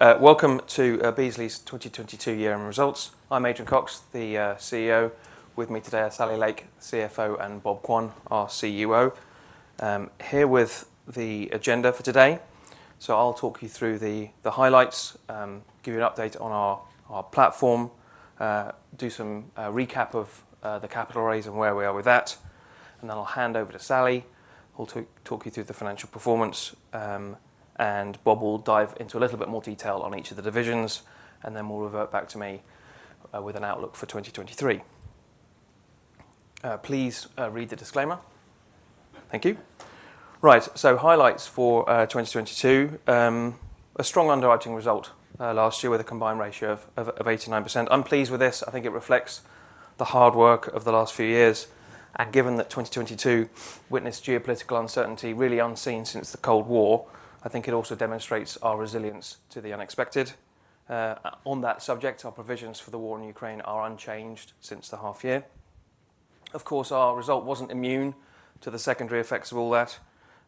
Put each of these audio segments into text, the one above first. Welcome to Beazley's 2022 year-end results. I'm Adrian Cox, the CEO. With me today are Sally Lake, CFO, and Bob Quane, our CUO. Here with the agenda for today. I'll talk you through the highlights, give you an update on our platform, do some recap of the capital raise and where we are with that. I'll hand over to Sally, who'll talk you through the financial performance. Bob will dive into a little bit more detail on each of the divisions, and then we'll revert back to me with an outlook for 2023. Please read the disclaimer. Thank you. Right. Highlights for 2022. A strong underwriting result last year with a combined ratio of 89%. I'm pleased with this. I think it reflects the hard work of the last few years. Given that 2022 witnessed geopolitical uncertainty really unseen since the Cold War, I think it also demonstrates our resilience to the unexpected. On that subject, our provisions for the war in Ukraine are unchanged since the half year. Our result wasn't immune to the secondary effects of all that,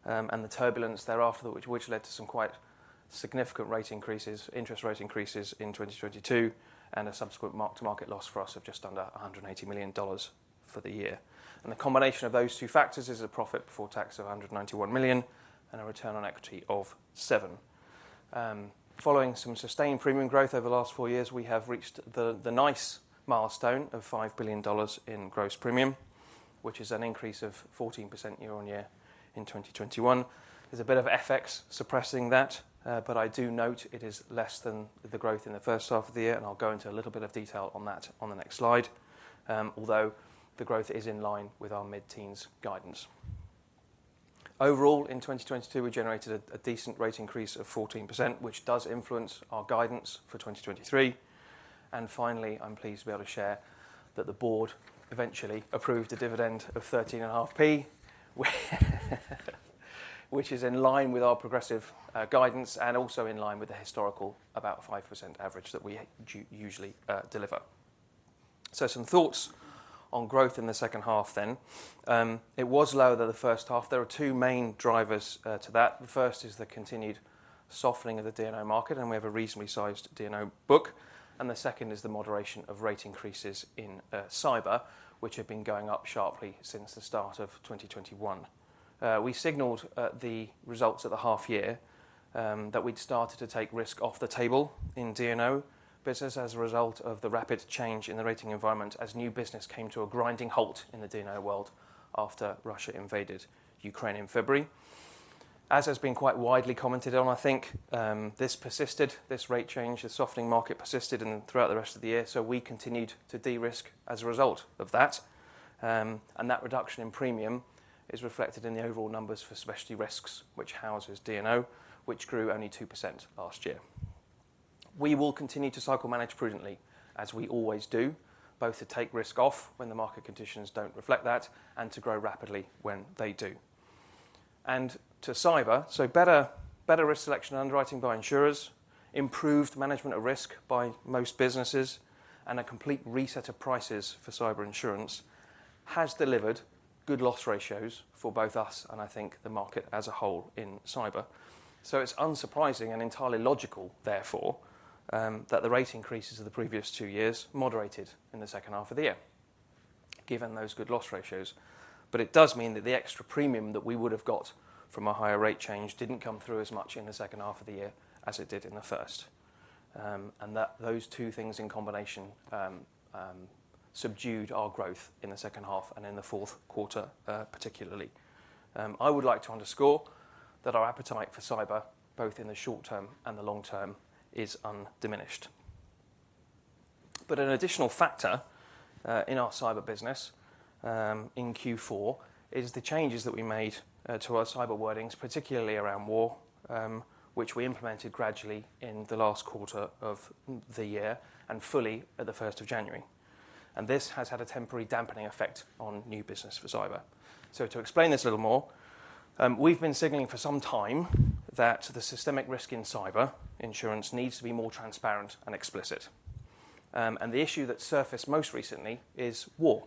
and the turbulence thereafter, which led to some quite significant rate increases, interest rate increases in 2022 and a subsequent mark-to-market loss for us of just under $180 million for the year. The combination of those two factors is a profit before tax of $191 million and a return on equity of 7%. Following some sustained premium growth over the last four years, we have reached the nice milestone of $5 billion in gross premium, which is an increase of 14% year-on-year in 2021. There's a bit of FX suppressing that, but I do note it is less than the growth in the first half of the year, and I'll go into a little bit of detail on that on the next slide. Although the growth is in line with our mid-teens guidance. Overall, in 2022, we generated a decent rate increase of 14%, which does influence our guidance for 2023. Finally, I'm pleased to be able to share that the board eventually approved a dividend of thirteen and a half p, which is in line with our progressive guidance and also in line with the historical about 5% average that we usually deliver. Some thoughts on growth in the second half then. It was lower than the first half. There are two main drivers to that. The first is the continued softening of the D&O market, and we have a reasonably sized D&O book. The second is the moderation of rate increases in cyber, which have been going up sharply since the start of 2021. We signaled at the results of the half year that we'd started to take risk off the table in D&O business as a result of the rapid change in the rating environment as new business came to a grinding halt in the D&O world after Russia invaded Ukraine in February. As has been quite widely commented on, I think, this rate change, the softening market persisted throughout the rest of the year, so we continued to de-risk as a result of that. That reduction in premium is reflected in the overall numbers for Specialty Risks, which houses D&O, which grew only 2% last year. We will continue to cycle manage prudently, as we always do, both to take risk off when the market conditions don't reflect that and to grow rapidly when they do. To cyber, better risk selection underwriting by insurers, improved management of risk by most businesses, and a complete reset of prices for cyber insurance has delivered good loss ratios for both us and I think the market as a whole in cyber. It's unsurprising and entirely logical, therefore, that the rate increases of the previous 2 years moderated in the second half of the year, given those good loss ratios. It does mean that the extra premium that we would have got from a higher rate change didn't come through as much in the second half of the year as it did in the first. And that those two things in combination subdued our growth in the second half and in the fourth quarter particularly. I would like to underscore that our appetite for cyber, both in the short term and the long term, is undiminished. An additional factor in our cyber business in Q4 is the changes that we made to our cyber wordings, particularly around war, which we implemented gradually in the last quarter of the year and fully at the 1st of January. This has had a temporary dampening effect on new business for cyber. To explain this a little more, we've been signaling for some time that the systemic risk in cyber insurance needs to be more transparent and explicit. The issue that surfaced most recently is war,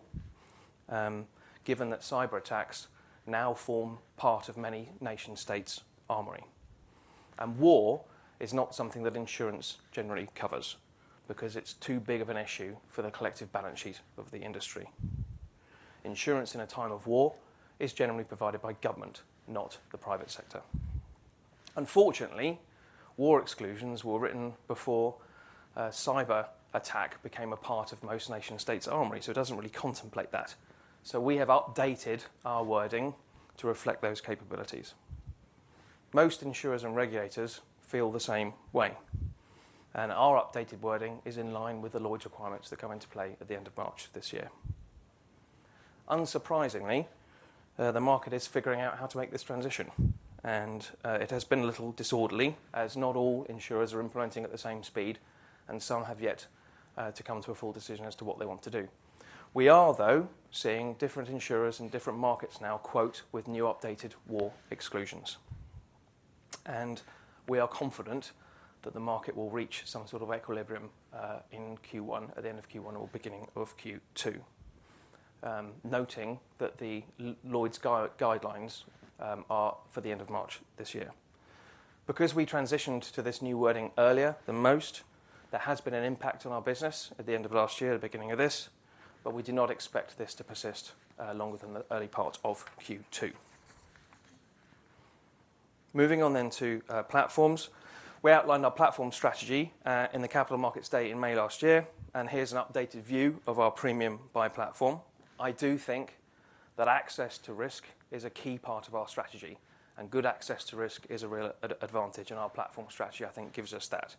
given that cyberattacks now form part of many nation states' armory. War is not something that insurance generally covers because it's too big of an issue for the collective balance sheet of the industry. Insurance in a time of war is generally provided by government, not the private sector. Unfortunately, war exclusions were written before a cyberattack became a part of most nation states' armory, so it doesn't really contemplate that. We have updated our wording to reflect those capabilities. Most insurers and regulators feel the same way, and our updated wording is in line with the Lloyd's requirements that come into play at the end of March this year. Unsurprisingly, the market is figuring out how to make this transition, and it has been a little disorderly as not all insurers are implementing at the same speed, and some have yet to come to a full decision as to what they want to do. We are, though, seeing different insurers and different markets now quote with new updated war exclusions. We are confident that the market will reach some sort of equilibrium in Q1, at the end of Q1 or beginning of Q2. Noting that the Lloyd's Guidelines are for the end of March this year. Because we transitioned to this new wording earlier than most, there has been an impact on our business at the end of last year, the beginning of this, but we do not expect this to persist longer than the early part of Q2. Moving on to platforms. We outlined our platform strategy in the capital markets day in May last year, and here's an updated view of our premium by platform. I do think that access to risk is a key part of our strategy, and good access to risk is a real advantage, and our platform strategy, I think, gives us that.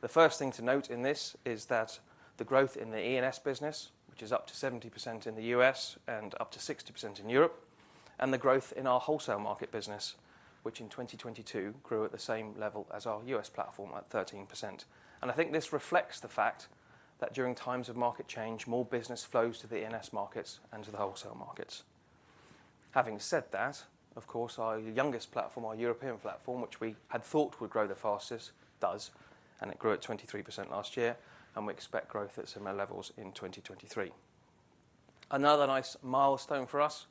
The first thing to note in this is that the growth in the E&S business, which is up to 70% in the U.S. and up to 60% in Europe, and the growth in our wholesale market business, which in 2022 grew at the same level as our U.S. platform at 13%. I think this reflects the fact that during times of market change, more business flows to the E&S markets and to the wholesale markets. Having said that, of course, our youngest platform, our European platform, which we had thought would grow the fastest, does, and it grew at 23% last year, and we expect growth at similar levels in 2023. Another nice milestone for us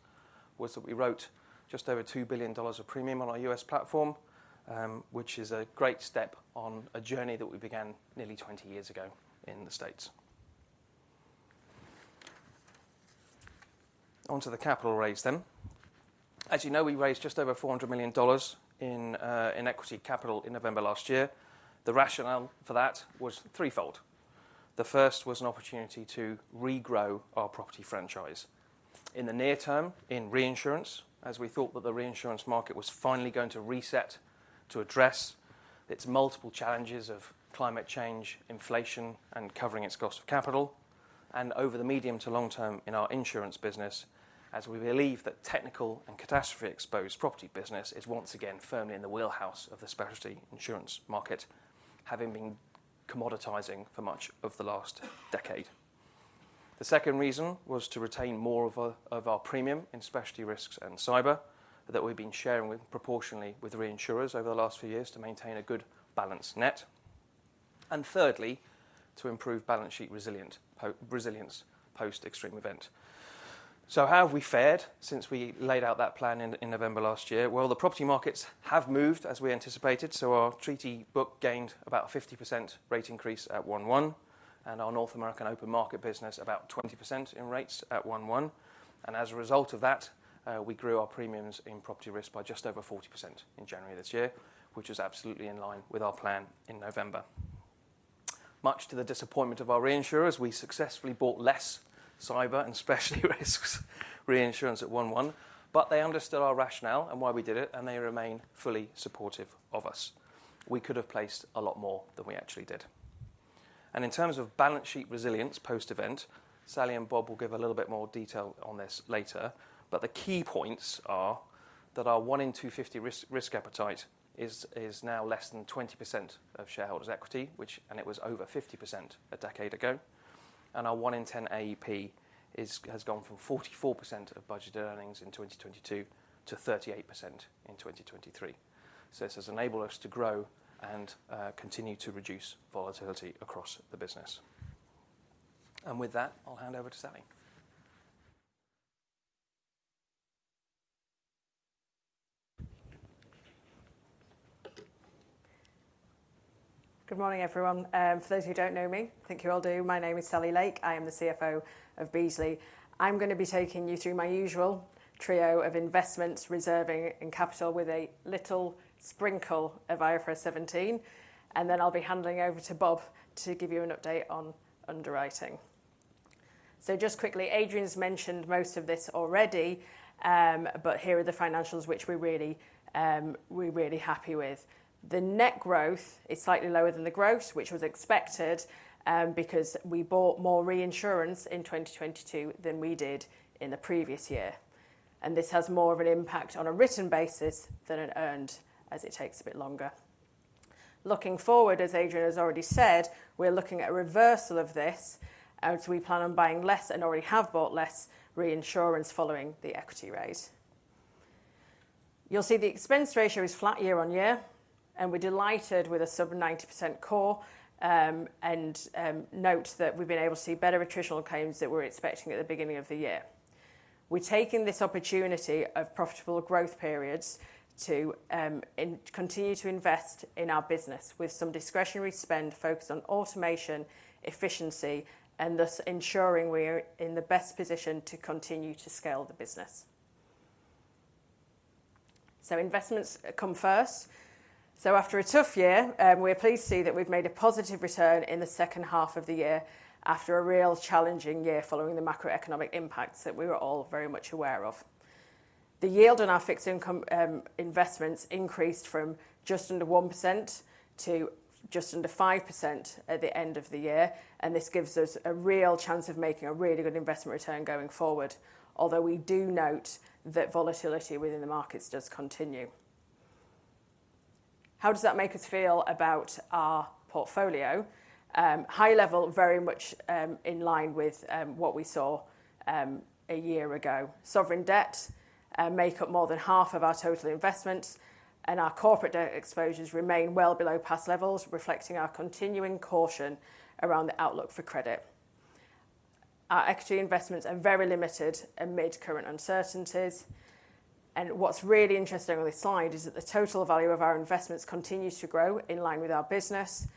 was that we wrote just over $2 billion of premium on our US platform, which is a great step on a journey that we began nearly 20 years ago in the States. The capital raise then. As you know, we raised just over $400 million in equity capital in November last year. The rationale for that was threefold. The first was an opportunity to regrow our property franchise. In the near term, in reinsurance, as we thought that the reinsurance market was finally going to reset to address its multiple challenges of climate change, inflation, and covering its cost of capital, and over the medium to long term in our insurance business, as we believe that technical and catastrophe-exposed property business is once again firmly in the wheelhouse of the specialty insurance market, having been commoditizing for much of the last decade. The second reason was to retain more of our premium in Specialty Risks and cyber that we've been sharing with proportionally with reinsurers over the last few years to maintain a good balanced net. Thirdly, to improve balance sheet resilient resilience post extreme event. How have we fared since we laid out that plan in November last year? Well, the property markets have moved as we anticipated, so our treaty book gained about 50% rate increase at 1/1, and our North American open market business about 20% in rates at 1/1. As a result of that, we grew our premiums in property risk by just over 40% in January this year, which is absolutely in line with our plan in November. Much to the disappointment of our reinsurers, we successfully bought less cyber and Specialty Risks reinsurance at 1/1, but they understood our rationale and why we did it, and they remain fully supportive of us. We could have placed a lot more than we actually did. In terms of balance sheet resilience post-event, Sally and Bob will give a little bit more detail on this later, but the key points are that our 1-in-250 risk appetite is now less than 20% of shareholders' equity, which and it was over 50% a decade ago. Our 1-in-10 AEP has gone from 44% of budget earnings in 2022 to 38% in 2023. This has enabled us to grow and continue to reduce volatility across the business. With that, I'll hand over to Sally. Good morning, everyone. For those who don't know me, think you all do, my name is Sally Lake. I am the CFO of Beazley. I'm gonna be taking you through my usual trio of investments, reserving, and capital with a little sprinkle of IFRS 17, and then I'll be handing over to Bob to give you an update on underwriting. Just quickly, Adrian's mentioned most of this already, but here are the financials which we're really, we're really happy with. The net growth is slightly lower than the growth, which was expected, because we bought more reinsurance in 2022 than we did in the previous year. This has more of an impact on a written basis than an earned, as it takes a bit longer. Looking forward, as Adrian has already said, we're looking at a reversal of this, as we plan on buying less and already have bought less reinsurance following the equity raise. You'll see the expense ratio is flat year-on-year, and we're delighted with a sub 90% core, and note that we've been able to see better attritional claims than we were expecting at the beginning of the year. We're taking this opportunity of profitable growth periods to continue to invest in our business with some discretionary spend focused on automation, efficiency, and thus ensuring we are in the best position to continue to scale the business. Investments come first. After a tough year, we are pleased to see that we've made a positive return in the second half of the year after a real challenging year following the macroeconomic impacts that we were all very much aware of. The yield on our fixed income investments increased from just under 1% to just under 5% at the end of the year, and this gives us a real chance of making a really good investment return going forward. Although we do note that volatility within the markets does continue. How does that make us feel about our portfolio? High level, very much in line with what we saw a year ago. Sovereign debt make up more than half of our total investments, and our corporate debt exposures remain well below past levels, reflecting our continuing caution around the outlook for credit. Our equity investments are very limited amid current uncertainties. What's really interesting on this slide is that the total value of our investments continues to grow in line with our business,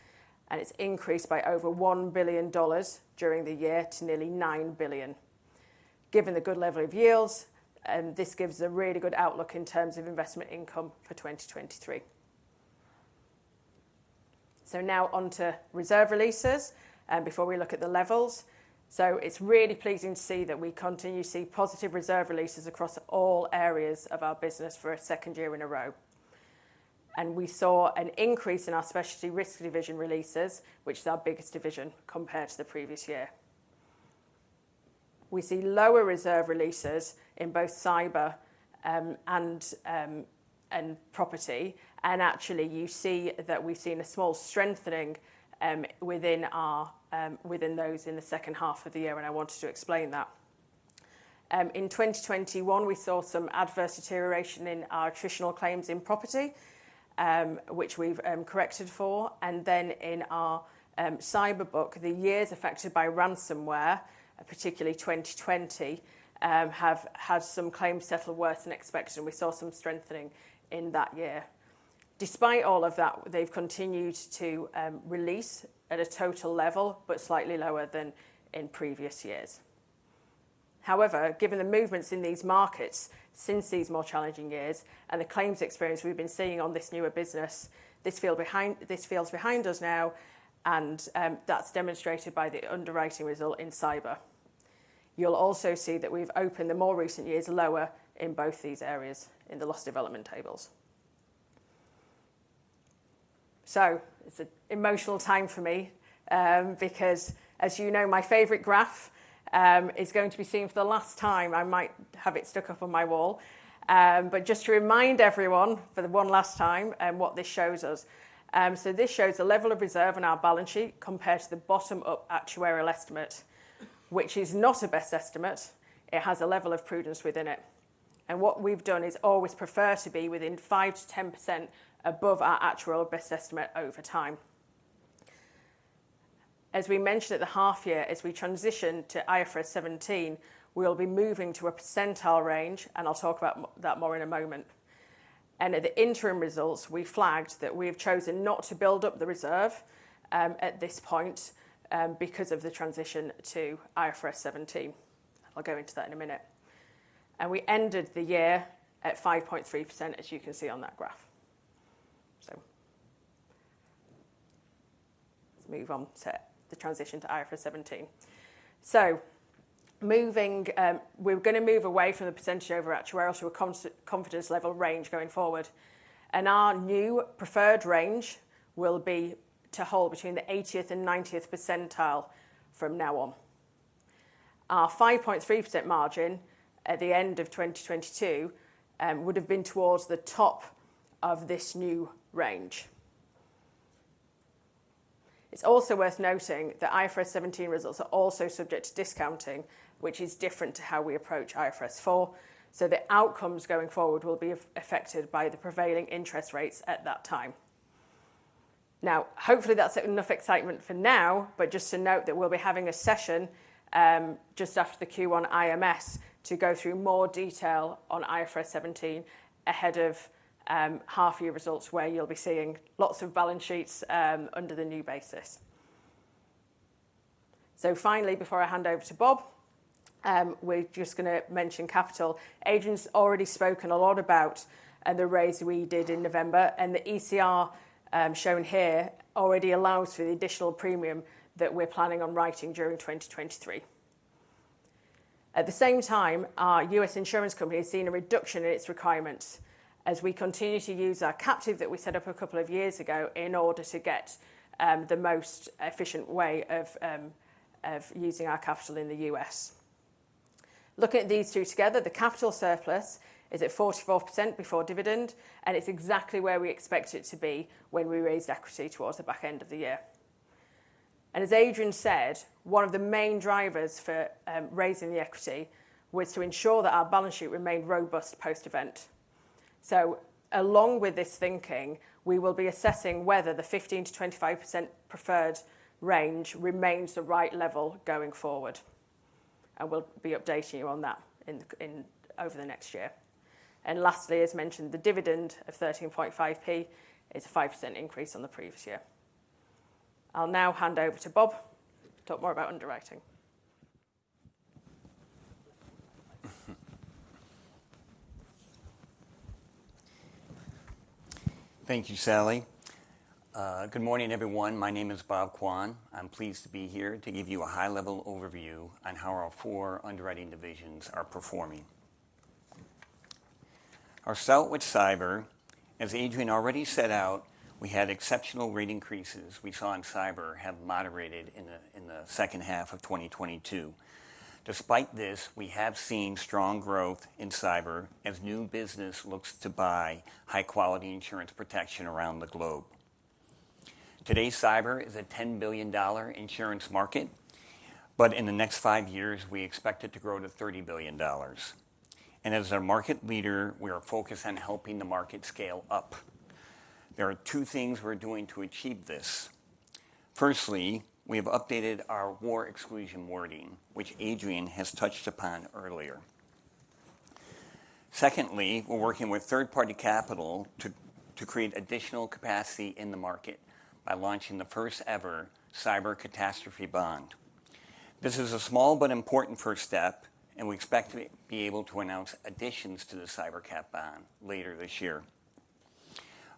and it's increased by over $1 billion during the year to nearly $9 billion. Given the good level of yields, this gives a really good outlook in terms of investment income for 2023. Now on to reserve releases, before we look at the levels. It's really pleasing to see that we continue to see positive reserve releases across all areas of our business for a second year in a row. We saw an increase in our Specialty Risks division releases, which is our biggest division compared to the previous year. We see lower reserve releases in both cyber and property. Actually, you see that we've seen a small strengthening within our within those in the second half of the year, and I wanted to explain that. In 2021, we saw some adverse deterioration in our attritional claims in property, which we've corrected for. In our cyber book, the years affected by ransomware, particularly 2020, have had some claims settle worse than expected, and we saw some strengthening in that year. Despite all of that, they've continued to release at a total level, but slightly lower than in previous years. However, given the movements in these markets since these more challenging years and the claims experience we've been seeing on this newer business, this feels behind us now. That's demonstrated by the underwriting result in cyber. You'll also see that we've opened the more recent years lower in both these areas in the loss development tables. It's an emotional time for me because as you know, my favorite graph is going to be seen for the last time. I might have it stuck up on my wall. Just to remind everyone for the one last time what this shows us. This shows the level of reserve on our balance sheet compared to the bottom-up actuarial estimate, which is not a best estimate. It has a level of prudence within it. What we've done is always prefer to be within 5%-10% above our actuarial best estimate over time. As we mentioned at the half year, as we transition to IFRS 17, we'll be moving to a percentile range, and I'll talk about that more in a moment. At the interim results, we flagged that we have chosen not to build up the reserve at this point because of the transition to IFRS 17. I'll go into that in a minute. We ended the year at 5.3%, as you can see on that graph. Let's move on to the transition to IFRS 17. Moving, we're gonna move away from the percentage over actuarial to a confidence level range going forward. Our new preferred range will be to hold between the 80th and 90th percentile from now on. Our 5.3% margin at the end of 2022 would have been towards the top of this new range. It's also worth noting that IFRS 17 results are also subject to discounting, which is different to how we approach IFRS 4. The outcomes going forward will be affected by the prevailing interest rates at that time. Hopefully that's enough excitement for now, but just to note that we'll be having a session just after the Q1 IMS to go through more detail on IFRS 17 ahead of half year results where you'll be seeing lots of balance sheets under the new basis. Finally, before I hand over to Bob, we're just gonna mention capital. Adrian's already spoken a lot about the raise we did in November. The ECR shown here already allows for the additional premium that we're planning on writing during 2023. At the same time, our U.S. insurance company has seen a reduction in its requirements as we continue to use our captive that we set up a couple of years ago in order to get the most efficient way of using our capital in the U.S. Looking at these two together, the capital surplus is at 44% before dividend. It's exactly where we expect it to be when we raised equity towards the back end of the year. As Adrian said, one of the main drivers for raising the equity was to ensure that our balance sheet remained robust post-event. Along with this thinking, we will be assessing whether the 15%-25% preferred range remains the right level going forward. We'll be updating you on that in over the next year. Lastly, as mentioned, the dividend of 13.5p is a 5% increase on the previous year. I'll now hand over to Bob to talk more about underwriting. Thank you, Sally. Good morning, everyone. My name is Bob Quane. I'm pleased to be here to give you a high-level overview on how our four underwriting divisions are performing. Our start with cyber. As Adrian already set out, we had exceptional rate increases we saw in cyber have moderated in the second half of 2022. Despite this, we have seen strong growth in cyber as new business looks to buy high-quality insurance protection around the globe. Today's cyber is a $10 billion insurance market, but in the next five years, we expect it to grow to $30 billion. As our market leader, we are focused on helping the market scale up. There are two things we're doing to achieve this. Firstly, we have updated our war exclusion wording, which Adrian has touched upon earlier. Secondly, we're working with third-party capital to create additional capacity in the market by launching the first ever cyber catastrophe bond. This is a small but important first step, we expect to be able to announce additions to the cyber cat bond later this year.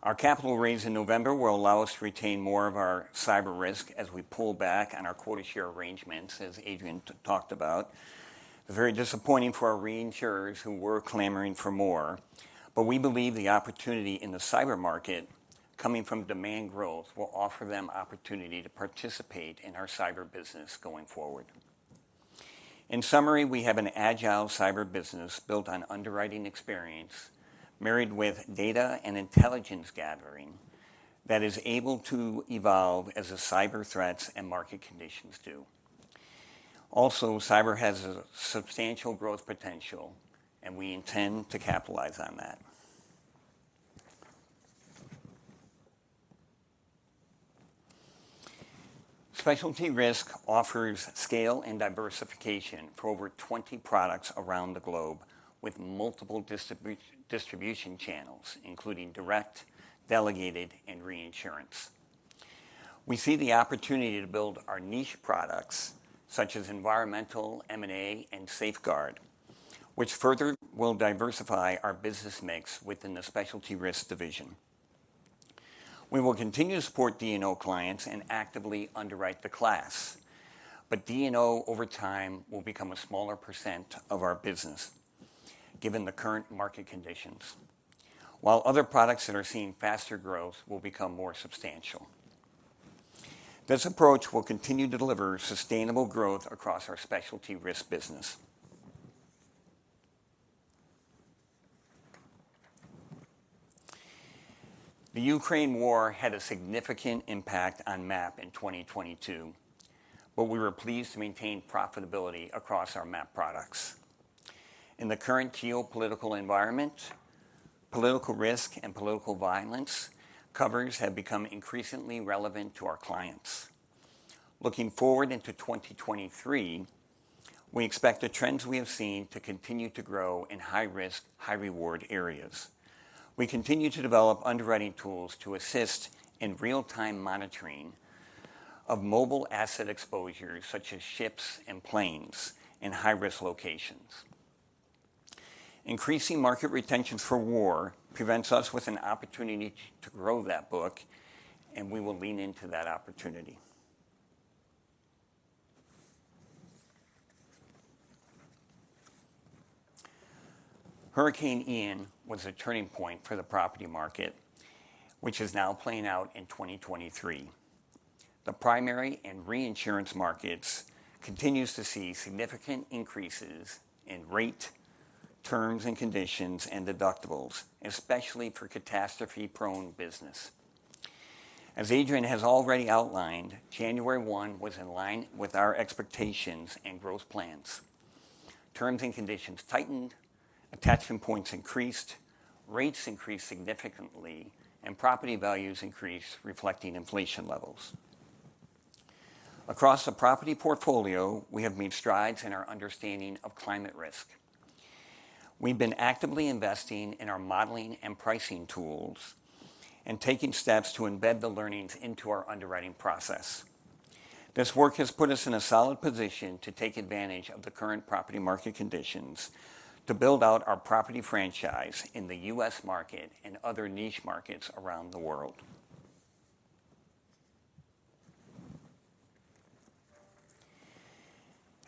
Our capital raise in November will allow us to retain more of our cyber risk as we pull back on our quota share arrangements, as Adrian talked about. Very disappointing for our reinsurers who were clamoring for more, we believe the opportunity in the cyber market coming from demand growth will offer them opportunity to participate in our cyber business going forward. In summary, we have an agile cyber business built on underwriting experience, married with data and intelligence gathering that is able to evolve as the cyber threats and market conditions do. Also, cyber has a substantial growth potential, and we intend to capitalize on that. Specialty Risks offers scale and diversification for over 20 products around the globe with multiple distribution channels, including direct, delegated and reinsurance. We see the opportunity to build our niche products such as environmental, M&A and Safeguard, which further will diversify our business mix within the Specialty Risks division. We will continue to support D&O clients and actively underwrite the class. D&O over time will become a smaller % of our business given the current market conditions. While other products that are seeing faster growth will become more substantial. This approach will continue to deliver sustainable growth across our Specialty Risks business. The Ukraine war had a significant impact on MAP in 2022, but we were pleased to maintain profitability across our MAP products. In the current geopolitical environment, political risk and political violence covers have become increasingly relevant to our clients. Looking forward into 2023, we expect the trends we have seen to continue to grow in high risk, high reward areas. We continue to develop underwriting tools to assist in real-time monitoring of mobile asset exposure, such as ships and planes in high-risk locations. Increasing market retention for war presents us with an opportunity to grow that book. We will lean into that opportunity. Hurricane Ian was a turning point for the property market, which is now playing out in 2023. The primary and reinsurance markets continues to see significant increases in rate, terms and conditions and deductibles, especially for catastrophe prone business. As Adrian has already outlined, January 1 was in line with our expectations and growth plans. Terms and conditions tightened, attachment points increased, rates increased significantly, property values increased reflecting inflation levels. Across the property portfolio, we have made strides in our understanding of climate risk. We've been actively investing in our modeling and pricing tools and taking steps to embed the learnings into our underwriting process. This work has put us in a solid position to take advantage of the current property market conditions to build out our property franchise in the U.S. market and other niche markets around the world.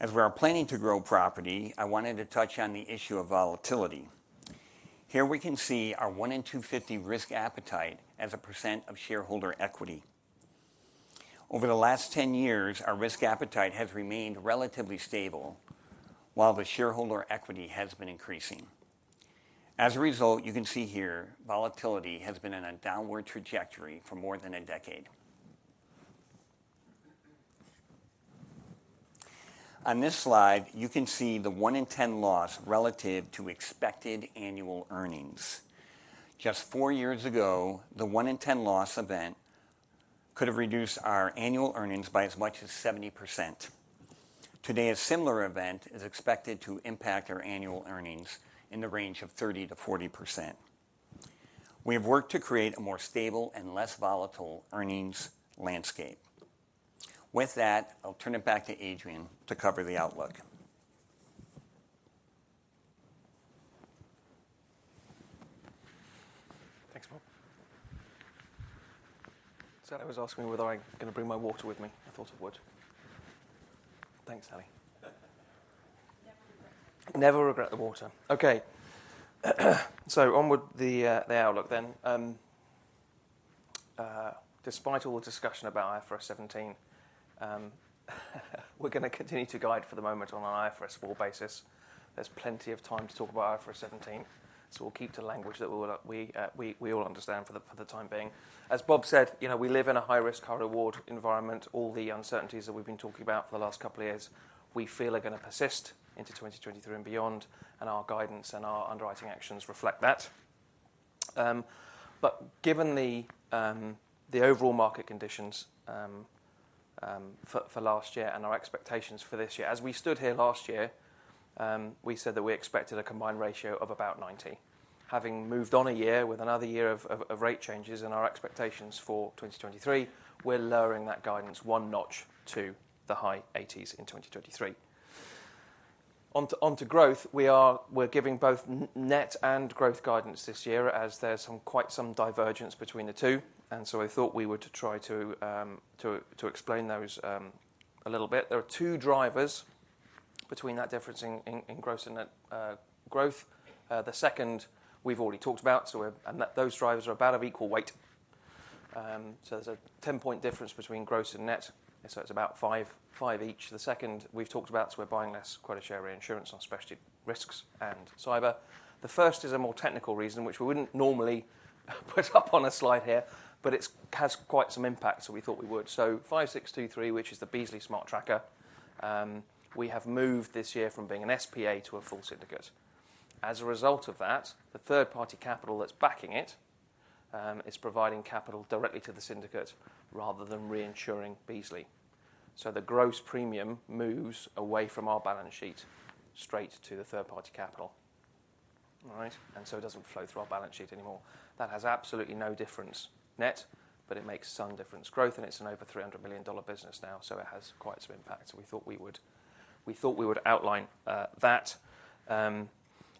As we are planning to grow property, I wanted to touch on the issue of volatility. Here we can see our 1-in-250 risk appetite as a % of shareholder equity. Over the last 10 years, our risk appetite has remained relatively stable, while the shareholder equity has been increasing. As a result, you can see here volatility has been in a downward trajectory for more than a decade. On this slide, you can see the 1-in-10 loss relative to expected annual earnings. Just four years ago, the 1-in-10 loss event could have reduced our annual earnings by as much as 70%. Today, a similar event is expected to impact our annual earnings in the range of 30%-40%. We have worked to create a more stable and less volatile earnings landscape. With that, I'll turn it back to Adrian to cover the outlook. Thanks, Bob. Sally was asking me whether I'm gonna bring my water with me. I thought I would. Thanks, Sally. Never regret the water. Okay. Onward the outlook. Despite all the discussion about IFRS 17, we're gonna continue to guide for the moment on an IFRS 4 basis. There's plenty of time to talk about IFRS 17, we'll keep to language that we'll we all understand for the time being. As Bob said, you know, we live in a high risk, high reward environment. All the uncertainties that we've been talking about for the last couple of years, we feel are gonna persist into 2023 and beyond, and our guidance and our underwriting actions reflect that. Given the overall market conditions for last year and our expectations for this year, as we stood here last year, we said that we expected a combined ratio of about 90%. Having moved on a year with another year of rate changes and our expectations for 2023, we're lowering that guidance one notch to the high 80s in 2023. On to growth, we're giving both net and growth guidance this year as there's quite some divergence between the 2. I thought we were to try to explain those a little bit. There are 2 drivers between that difference in gross and net growth. The second we've already talked about. That those drivers are about of equal weight. There's a 10-point difference between gross and net, and so it's about 5 each. The second we've talked about, so we're buying less quota share reinsurance on Specialty Risks and cyber. The first is a more technical reason, which we wouldn't normally put up on a slide here, but it's has quite some impact. We thought we would. 5623, which is the Beazley Smart Tracker, we have moved this year from being an SPA to a full syndicate. As a result of that, the third-party capital that's backing it is providing capital directly to the syndicate rather than reinsuring Beazley. The gross premium moves away from our balance sheet straight to the third-party capital. All right? It doesn't flow through our balance sheet anymore. That has absolutely no difference net, but it makes some difference growth, and it's an over $300 million business now. It has quite some impact. We thought we would outline that.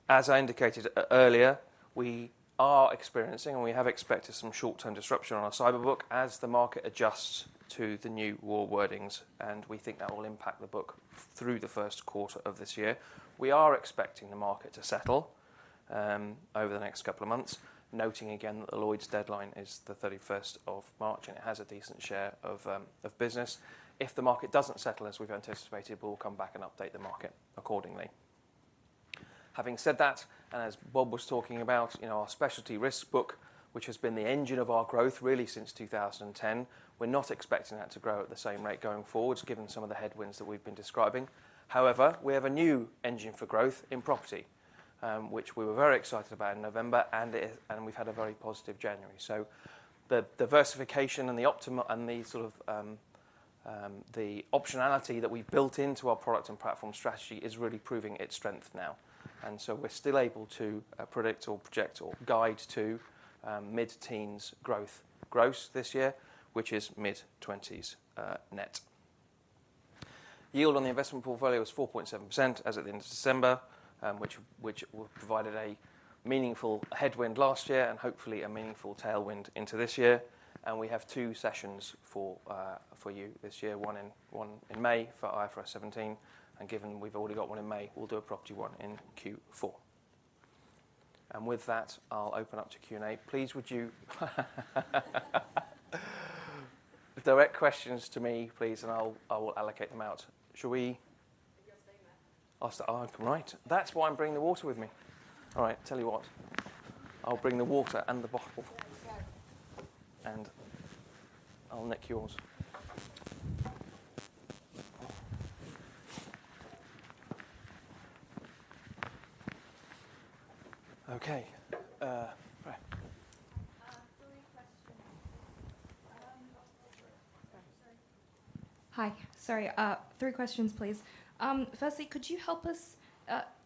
As I indicated earlier, we are experiencing and we have expected some short-term disruption on our cyber book as the market adjusts to the new WAR wordings, and we think that will impact the book through the first quarter of this year. We are expecting the market to settle over the next couple of months. Noting again that the Lloyd's deadline is the 31st of March, and it has a decent share of business. If the market doesn't settle as we've anticipated, we'll come back and update the market accordingly. Having said that, and as Bob was talking about, you know, our specialty risk book, which has been the engine of our growth really since 2010, we're not expecting that to grow at the same rate going forward given some of the headwinds that we've been describing. We have a new engine for growth in property, which we were very excited about in November, and we've had a very positive January. The diversification and the sort of the optionality that we've built into our product and platform strategy is really proving its strength now. We're still able to predict or project or guide to mid-teens growth gross this year, which is mid-twenties net. Yield on the investment portfolio is 4.7% as at the end of December, which provided a meaningful headwind last year and hopefully a meaningful tailwind into this year. We have two sessions for you this year, one in May for IFRS 17. Given we've already got one in May, we'll do a property one in Q4. With that, I'll open up to Q&A. Please would you direct questions to me, please. I will allocate them out. Oh, right. That's why I'm bringing the water with me. All right. Tell you what, I'll bring the water and the bottle. I'll neck yours. Okay. right. Three questions. Sorry. Hi. Sorry. Three questions, please. Firstly, could you help us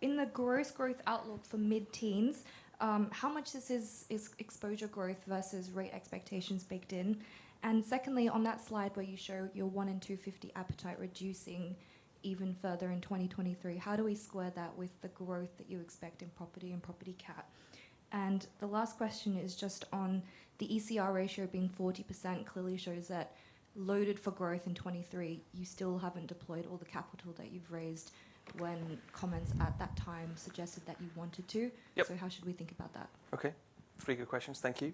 in the gross growth outlook for mid-teens, how much this is exposure growth versus rate expectations baked in? Secondly, on that slide where you show your 1-in-250 appetite reducing even further in 2023, how do we square that with the growth that you expect in property and property CAT? The last question is just on the ECR ratio being 40% clearly shows that loaded for growth in 2023, you still haven't deployed all the capital that you've raised when comments at that time suggested that you wanted to. Yep. How should we think about that? Okay. Three good questions. Thank you.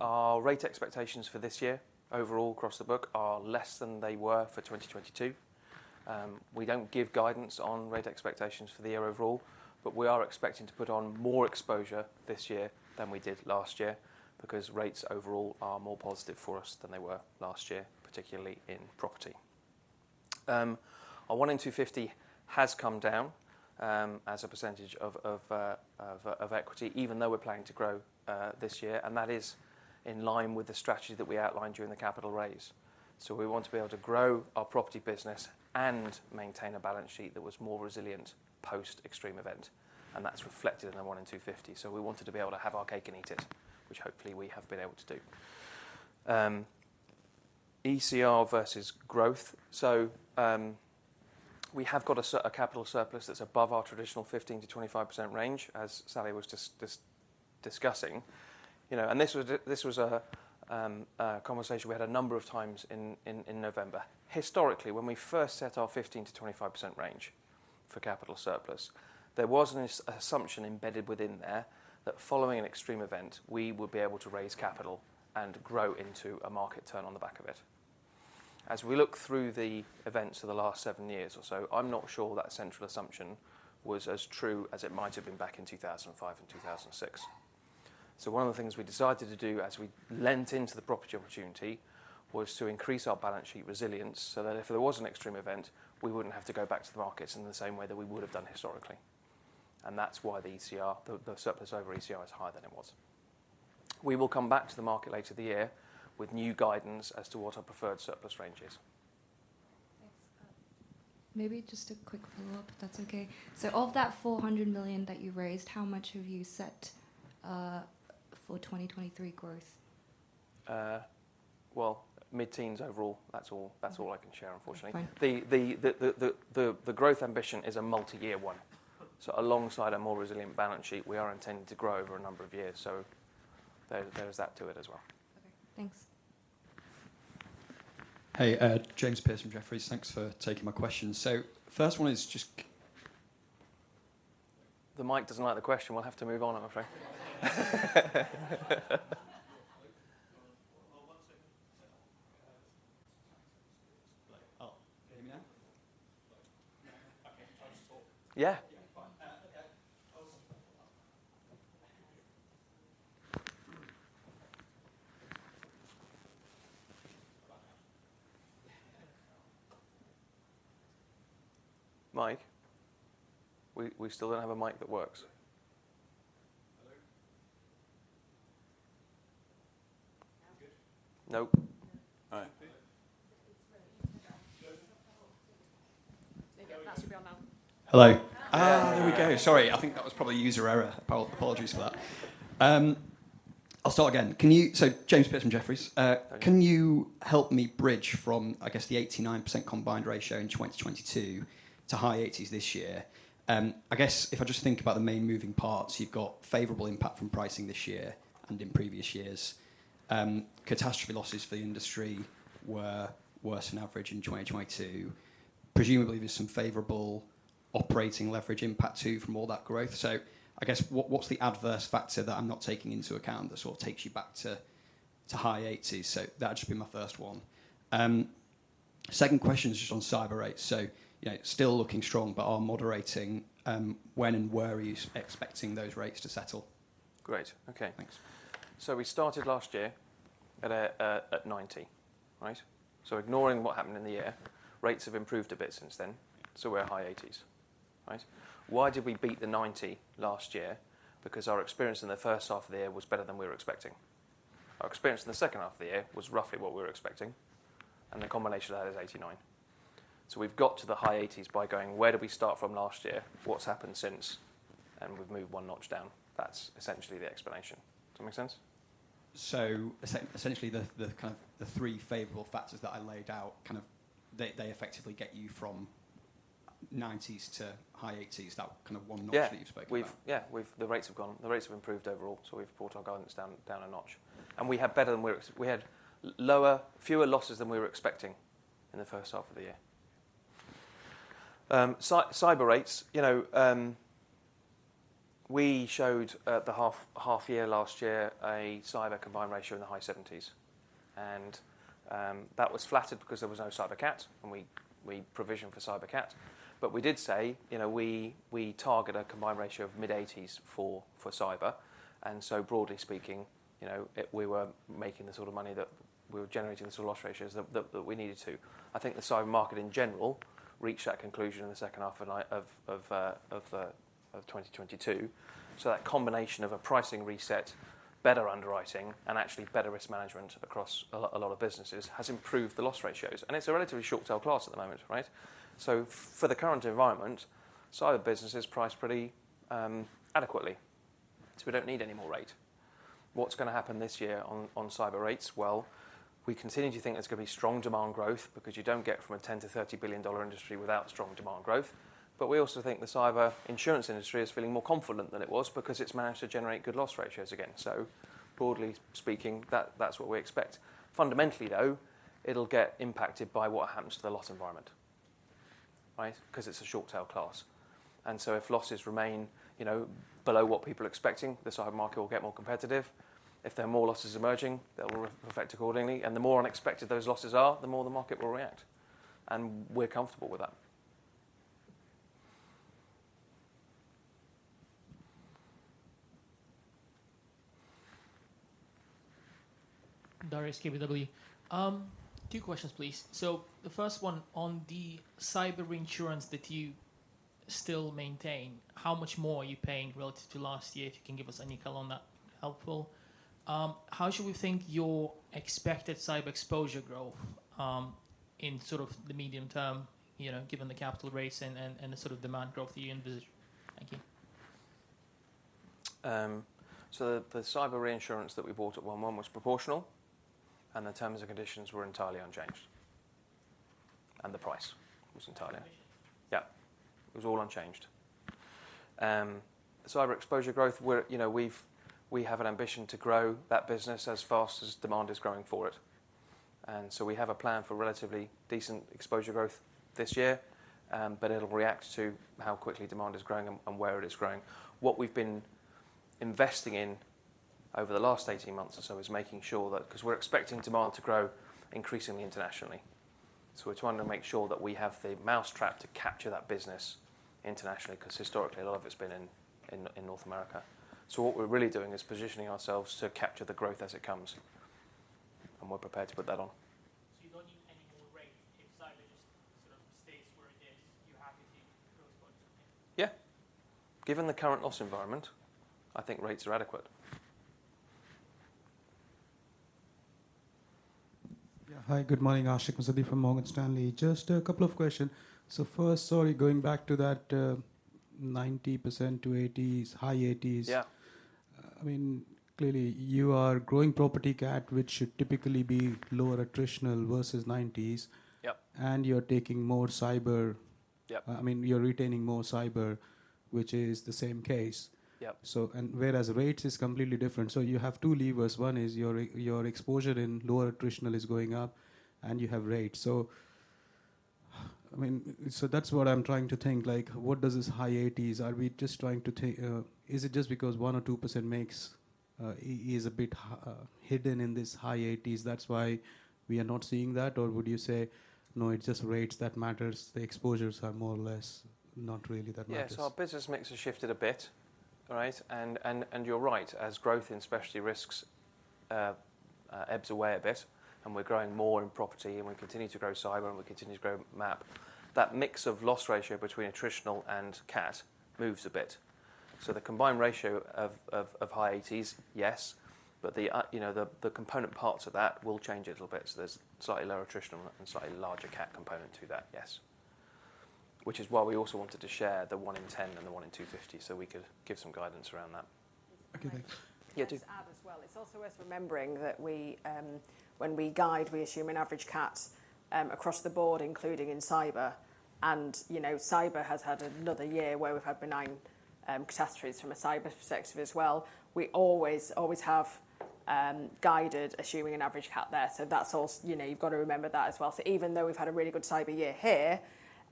Our rate expectations for this year overall across the book are less than they were for 2022. We don't give guidance on rate expectations for the year overall, but we are expecting to put on more exposure this year than we did last year because rates overall are more positive for us than they were last year, particularly in property. Our 1-in-250 has come down as a percentage of equity, even though we're planning to grow this year, and that is in line with the strategy that we outlined during the capital raise. We want to be able to grow our property business and maintain a balance sheet that was more resilient post-extreme event, and that's reflected in the 1-in-250. We wanted to be able to have our cake and eat it, which hopefully we have been able to do. ECR versus growth. We have got a capital surplus that's above our traditional 15%-25% range, as Sally was discussing. You know, this was, this was a conversation we had a number of times in November. Historically, when we first set our 15%-25% range for capital surplus, there was an assumption embedded within there that following an extreme event, we would be able to raise capital and grow into a market turn on the back of it. As we look through the events of the last seven years or so, I'm not sure that central assumption was as true as it might have been back in 2005 and 2006. One of the things we decided to do as we lent into the property opportunity was to increase our balance sheet resilience so that if there was an extreme event, we wouldn't have to go back to the markets in the same way that we would have done historically. That's why the ECR, the surplus over ECR is higher than it was. We will come back to the market later the year with new guidance as to what our preferred surplus range is. Thanks. Maybe just a quick follow-up, if that's okay. Of that $400 million that you raised, how much have you set for 2023 growth? Well, mid-teens overall. That's all, that's all I can share, unfortunately. Okay. The growth ambition is a multi-year 1. Alongside a more resilient balance sheet, we are intending to grow over a number of years. There is that to it as well. Okay. Thanks. Hey, James Pearse from Jefferies. Thanks for taking my question. first one is. The mic doesn't like the question. We'll have to move on, I'm afraid. Hold on one second. Oh, can you hear me now? Okay. Try to talk. Yeah. Yeah. Fine. Okay. Mic, we still don't have a mic that works. Hello. Now? Good. Nope. All right. There you go. That should be on now. Hello. There we go. Sorry. I think that was probably user error. Apologies for that. I'll start again. James Pearse from Jefferies. Can you help me bridge from, I guess, the 89% combined ratio in 2022 to high 80s this year? I guess if I just think about the main moving parts, you've got favorable impact from pricing this year and in previous years. Catastrophe losses for the industry were worse than average in HMY2. Presumably, there's some favorable operating leverage impact too from all that growth. I guess what's the adverse factor that I'm not taking into account that sort of takes you back to high 80s? That'd just be my first one. Second question is just on cyber rates. You know, still looking strong, but are moderating. When and where are you expecting those rates to settle? Great. Okay. Thanks. We started last year at 90%, right? Ignoring what happened in the year, rates have improved a bit since then. We're high 80s, right? Why did we beat the 90% last year? Because our experience in the first half of the year was better than we were expecting. Our experience in the second half of the year was roughly what we were expecting, and the combination of that is 89%. We've got to the high 80s by going, where did we start from last year? What's happened since? We've moved one notch down. That's essentially the explanation. Does that make sense? Essentially the kind of the three favorable factors that I laid out, kind of they effectively get you from nineties to high eighties, that kind of one notch that you've spoken about. The rates have improved overall, so we've brought our guidance down a notch. We had fewer losses than we were expecting in the first half of the year. Cyber rates, you know, we showed at the half year last year a cyber combined ratio in the high 70s. That was flattered because there was no cyber cat, and we provisioned for cyber cat. We did say, you know, we target a combined ratio of mid-80s for cyber. Broadly speaking, you know, we were making the sort of money that we were generating the sort of loss ratios that we needed to. I think the cyber market in general reached that conclusion in the second half of 2022. That combination of a pricing reset, better underwriting, and actually better risk management across a lot of businesses has improved the loss ratios. It's a relatively short tail class at the moment, right? For the current environment, cyber business is priced pretty adequately. We don't need any more rate. What's gonna happen this year on cyber rates? Well, we continue to think there's gonna be strong demand growth because you don't get from a $10 billion-$30 billion industry without strong demand growth. We also think the cyber insurance industry is feeling more confident than it was because it's managed to generate good loss ratios again. Broadly speaking, that's what we expect. Fundamentally, though, it'll get impacted by what happens to the loss environment, right? Because it's a short tail class. If losses remain, you know, below what people are expecting, the cyber market will get more competitive. If there are more losses emerging, that will re-affect accordingly. The more unexpected those losses are, the more the market will react. We're comfortable with that. Darius, KBW. 2 questions, please. The first one on the cyber insurance that you still maintain, how much more are you paying relative to last year? If you can give us any color on that, helpful. How should we think your expected cyber exposure growth, in sort of the medium term, you know, given the capital rates and the sort of demand growth that you envision? Thank you. The cyber reinsurance that we bought at 1/1 was proportional, and the terms and conditions were entirely unchanged, and the price was entirely. Unchanged. Yeah. It was all unchanged. cyber exposure growth, you know, we have an ambition to grow that business as fast as demand is growing for it. We have a plan for relatively decent exposure growth this year, but it'll react to how quickly demand is growing and where it is growing. What we've been investing in over the last 18 months or so is making sure that... 'cause we're expecting demand to grow increasingly internationally. We just wanted to make sure that we have the mousetrap to capture that business internationally, 'cause historically a lot of it's been in North America. What we're really doing is positioning ourselves to capture the growth as it comes, and we're prepared to put that on. You don't need any more rate if cyber just sort of stays where it is. You're happy to correspond to it? Yeah. Given the current loss environment, I think rates are adequate. Yeah. Hi, good morning. Ashik Musaddi from Morgan Stanley. Just a couple of question. First, sorry, going back to that 90% to 80s, high 80s- Yeah I mean, clearly you are growing property CAT, which should typically be lower attritional versus nineties. Yep. You're taking more cyber. Yep. I mean, you're retaining more cyber, which is the same case. Yep. Whereas rates is completely different. You have two levers. One is your exposure in lower attritional is going up and you have rates. I mean, so that's what I'm trying to think, like what does this high eighties are we just trying to... Is it just because 1% or 2% makes, is a bit hidden in this high eighties, that's why we are not seeing that? Would you say, no, it's just rates that matters? The exposures are more or less not really that matters. Yeah. Our business mix has shifted a bit, right? You're right, as growth in Specialty Risks ebbs away a bit and we're growing more in property and we continue to grow cyber and we continue to grow MAP, that mix of loss ratio between attritional and CAT moves a bit. The combined ratio of high 80s, yes. The, you know, the component parts of that will change a little bit. There's slightly lower attritional and slightly larger CAT component to that, yes. We also wanted to share the 1-in-10 and the 1-in-250 so we could give some guidance around that. Okay, thanks. Yeah. Just to add as well. It's also worth remembering that we, when we guide, we assume an average CAT across the board, including in cyber. You know, cyber has had another year where we've had benign catastrophes from a cyber perspective as well. We always have guided assuming an average CAT there. That's, you know, you've got to remember that as well. Even though we've had a really good cyber year here,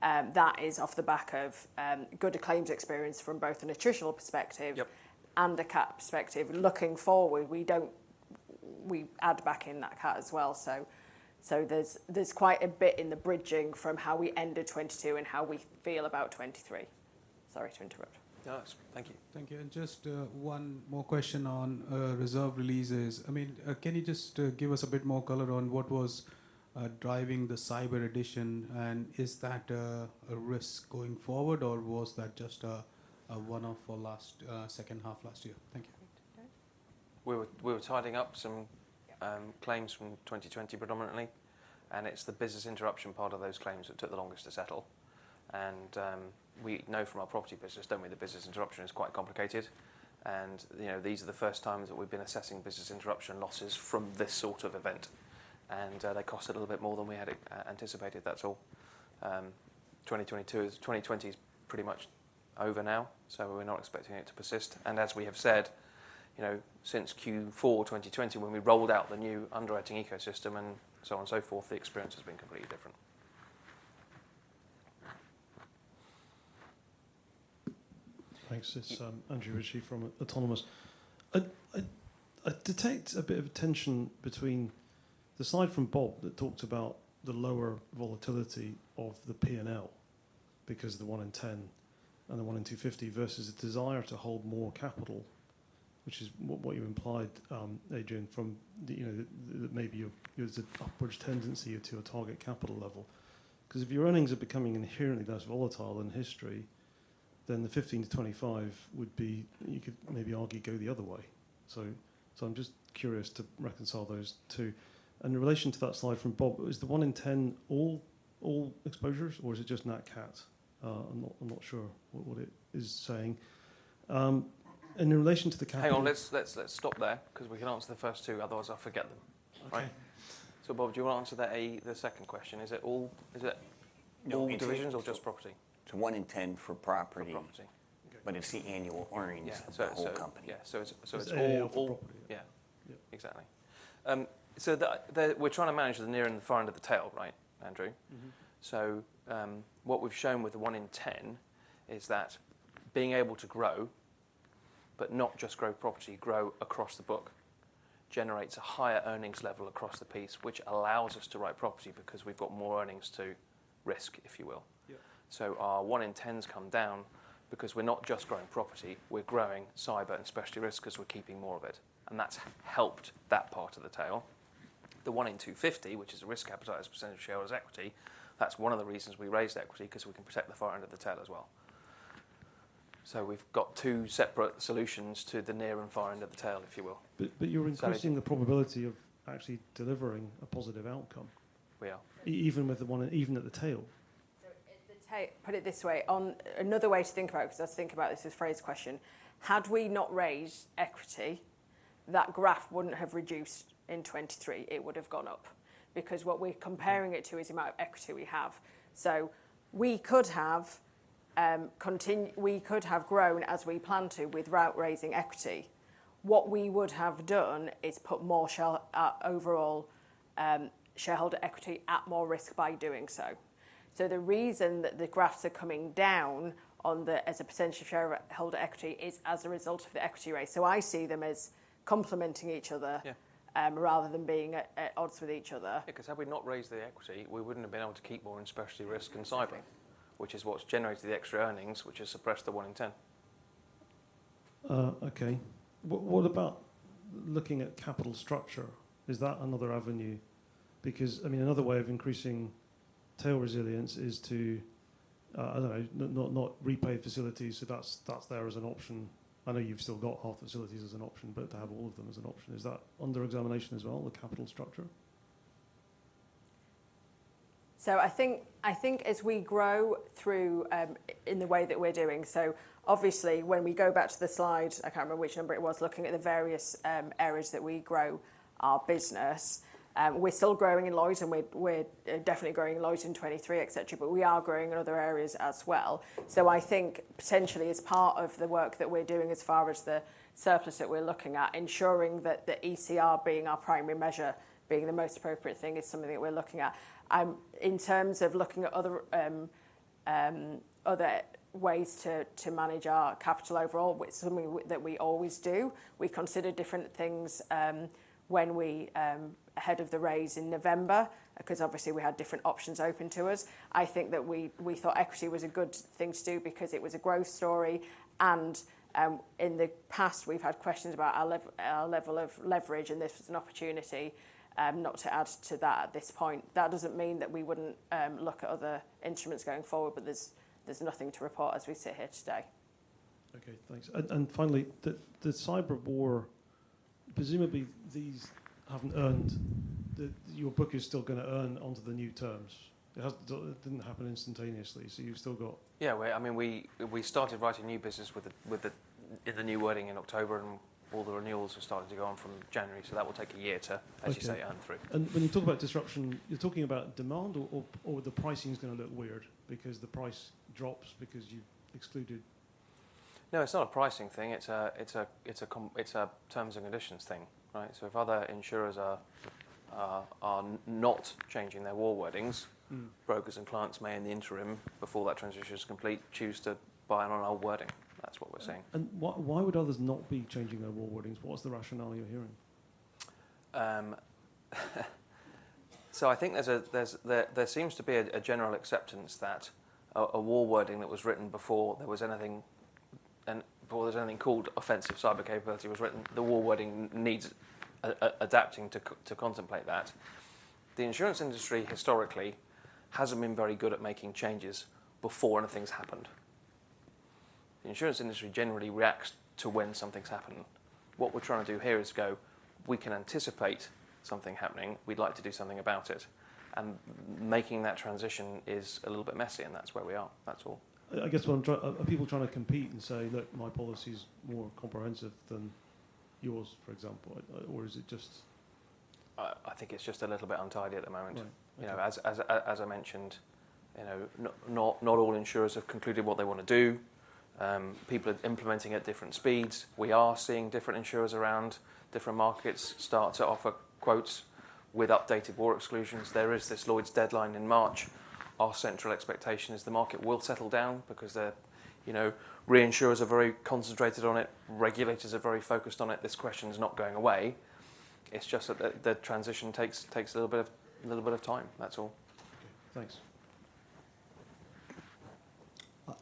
that is off the back of good claims experience from both an attritional perspective. Yep... and a CAT perspective. Looking forward, we add back in that CAT as well. There's quite a bit in the bridging from how we ended 2022 and how we feel about 2023. Sorry to interrupt. No, that's... Thank you. Thank you. Just 1 more question on reserve releases. I mean, can you just give us a bit more color on what was driving the cyber addition, and is that a risk going forward, or was that just a 1-off for last second half last year? Thank you. Great. We were tidying up some claims from 2020 predominantly. It's the business interruption part of those claims that took the longest to settle. We know from our property business, don't we, the business interruption is quite complicated. You know, these are the first times that we've been assessing business interruption losses from this sort of event. They cost a little bit more than we had anticipated. That's all. 2020 is pretty much over now. We're not expecting it to persist. As we have said, you know, since Q4 2020 when we rolled out the new underwriting ecosystem and so on and so forth, the experience has been completely different. Thanks. It's Andrew Ritchie from Autonomous Research. I detect a bit of a tension between the slide from Bob that talked about the lower volatility of the P&L because of the 1-in-10 and the 1-in-250 versus a desire to hold more capital, which is what you implied, Adrian, from the, you know, that maybe your, there's an upwards tendency to a target capital level. 'Cause if your earnings are becoming inherently less volatile than history, then the 15-25 would be, you could maybe argue go the other way. I'm just curious to reconcile those two. In relation to that slide from Bob, is the 1-in-10 all exposures or is it just nat CAT? I'm not sure what it is saying. In relation to the capital- Hang on. Let's stop there 'cause we can answer the first two, otherwise I'll forget them. Okay. All right. Bob, do you want to answer the second question? Is it all divisions or just property? It's one in ten for property. For property. Okay. It's the annual earnings of the whole company. Yeah. It's all. It's the annual for property. Yeah. Yep. Exactly. We're trying to manage the near and the far end of the tail, right, Andrew? Mm-hmm. What we've shown with the 1-in-10 is that being able to grow, but not just grow property, grow across the book, generates a higher earnings level across the piece, which allows us to write property because we've got more earnings to risk, if you will. Yeah. Our 1-in-10's come down because we're not just growing property, we're growing cyber and Specialty Risks 'cause we're keeping more of it, and that's helped that part of the tail. The 1-in-250, which is a risk capitalized percentage of shareholders' equity, that's one of the reasons we raised equity 'cause we can protect the far end of the tail as well. We've got two separate solutions to the near and far end of the tail, if you will. You're increasing the probability of actually delivering a positive outcome. We are. Even with the one in... Even at the tail. At the put it this way. Another way to think about it, because I was thinking about this as phrase question, had we not raised equity, that graph wouldn't have reduced in 23. It would have gone up. Because what we're comparing it to is the amount of equity we have. We could have grown as we plan to without raising equity. What we would have done is put more share, overall shareholder equity at more risk by doing so. The reason that the graphs are coming down on the as a % of shareholder equity is as a result of the equity raise. I see them as complementing each other. Yeah... rather than being at odds with each other. Had we not raised the equity, we wouldn't have been able to keep more in Specialty Risks and cyber. Exactly. Which is what's generated the extra earnings, which has suppressed the 1-in-10. Okay. What about looking at capital structure? Is that another avenue? I mean, another way of increasing tail resilience is to, I don't know, not repay facilities. That's there as an option. I know you've still got half facilities as an option, to have all of them as an option. Is that under examination as well, the capital structure? I think as we grow through, in the way that we're doing. Obviously, when we go back to the slide, I can't remember which number it was, looking at the various areas that we grow our business. We're still growing in Lloyd's and we're definitely growing in Lloyd's in 2023, et cetera, but we are growing in other areas as well. I think potentially as part of the work that we're doing as far as the surplus that we're looking at, ensuring that the ECR being our primary measure, being the most appropriate thing is something that we're looking at. In terms of looking at other ways to manage our capital overall, it's something that we always do. We consider different things when we ahead of the raise in November, because obviously we had different options open to us. I think that we thought equity was a good thing to do because it was a growth story and in the past, we've had questions about our level of leverage, and this was an opportunity not to add to that at this point. That doesn't mean that we wouldn't look at other instruments going forward, but there's nothing to report as we sit here today. Okay, thanks. Finally, the cyber war, presumably these haven't earned your book is still gonna earn onto the new terms. It didn't happen instantaneously, so you've still got. I mean, we started writing new business with the new wording in October, and all the renewals are starting to go on from January, so that will take a year to, as you say. Okay earn through. When you talk about disruption, you're talking about demand or the pricing is gonna look weird because the price drops because you've excluded... No, it's not a pricing thing. It's a terms and conditions thing, right? If other insurers are not changing their war wordings... Mm... brokers and clients may, in the interim, before that transition is complete, choose to buy in on our wording. That's what we're saying. Why would others not be changing their war wordings? What is the rationale you're hearing? I think there seems to be a general acceptance that a war wording that was written before there was anything, and before there was anything called offensive cyber capability was written, the war wording needs adapting to contemplate that. The insurance industry historically hasn't been very good at making changes before anything's happened. The insurance industry generally reacts to when something's happening. What we're trying to do here is go, we can anticipate something happening, we'd like to do something about it, and making that transition is a little bit messy, and that's where we are. That's all. Are people trying to compete and say, "Look, my policy is more comprehensive than yours," for example, or is it just...? I think it's just a little bit untidy at the moment. Right. You know, as I, as I mentioned, you know, not, not all insurers have concluded what they wanna do. People are implementing at different speeds. We are seeing different insurers around different markets start to offer quotes with updated war exclusions. There is this Lloyd's deadline in March. Our central expectation is the market will settle down because the, you know, reinsurers are very concentrated on it. Regulators are very focused on it. This question is not going away. It's just that the transition takes a little bit of time. That's all. Okay. Thanks.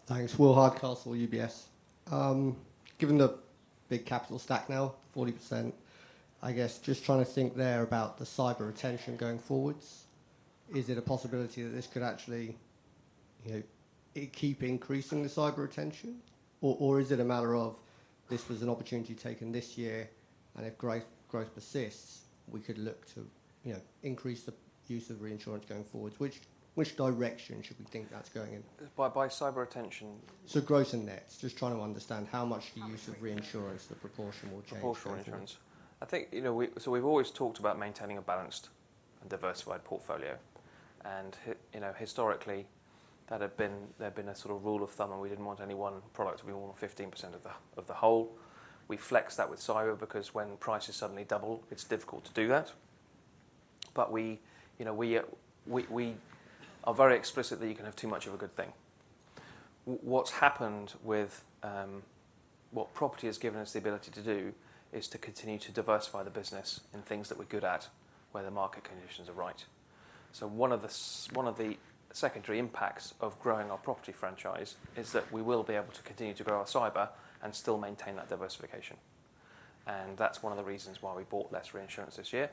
Thanks. Will Hardcastle, UBS. Given the big capital stack now, 40%, I guess just trying to think there about the cyber retention going forwards. Is it a possibility that this could actually, you know, keep increasing the cyber retention? Or is it a matter of this was an opportunity taken this year, and if growth persists, we could look to, you know, increase the use of reinsurance going forwards? Which direction should we think that's going in? By cyber retention? Gross and nets. Just trying to understand how much the use of reinsurance, the proportion will change going forward. Proportion of insurance. I think, you know, we've always talked about maintaining a balanced and diversified portfolio. You know, historically, there'd been a sort of rule of thumb, and we didn't want any one product to be more than 15% of the, of the whole. We flexed that with cyber because when prices suddenly double, it's difficult to do that. We, you know, we are very explicit that you can have too much of a good thing. What's happened with what property has given us the ability to do is to continue to diversify the business in things that we're good at, where the market conditions are right. One of the secondary impacts of growing our property franchise is that we will be able to continue to grow our cyber and still maintain that diversification. That's one of the reasons why we bought less reinsurance this year.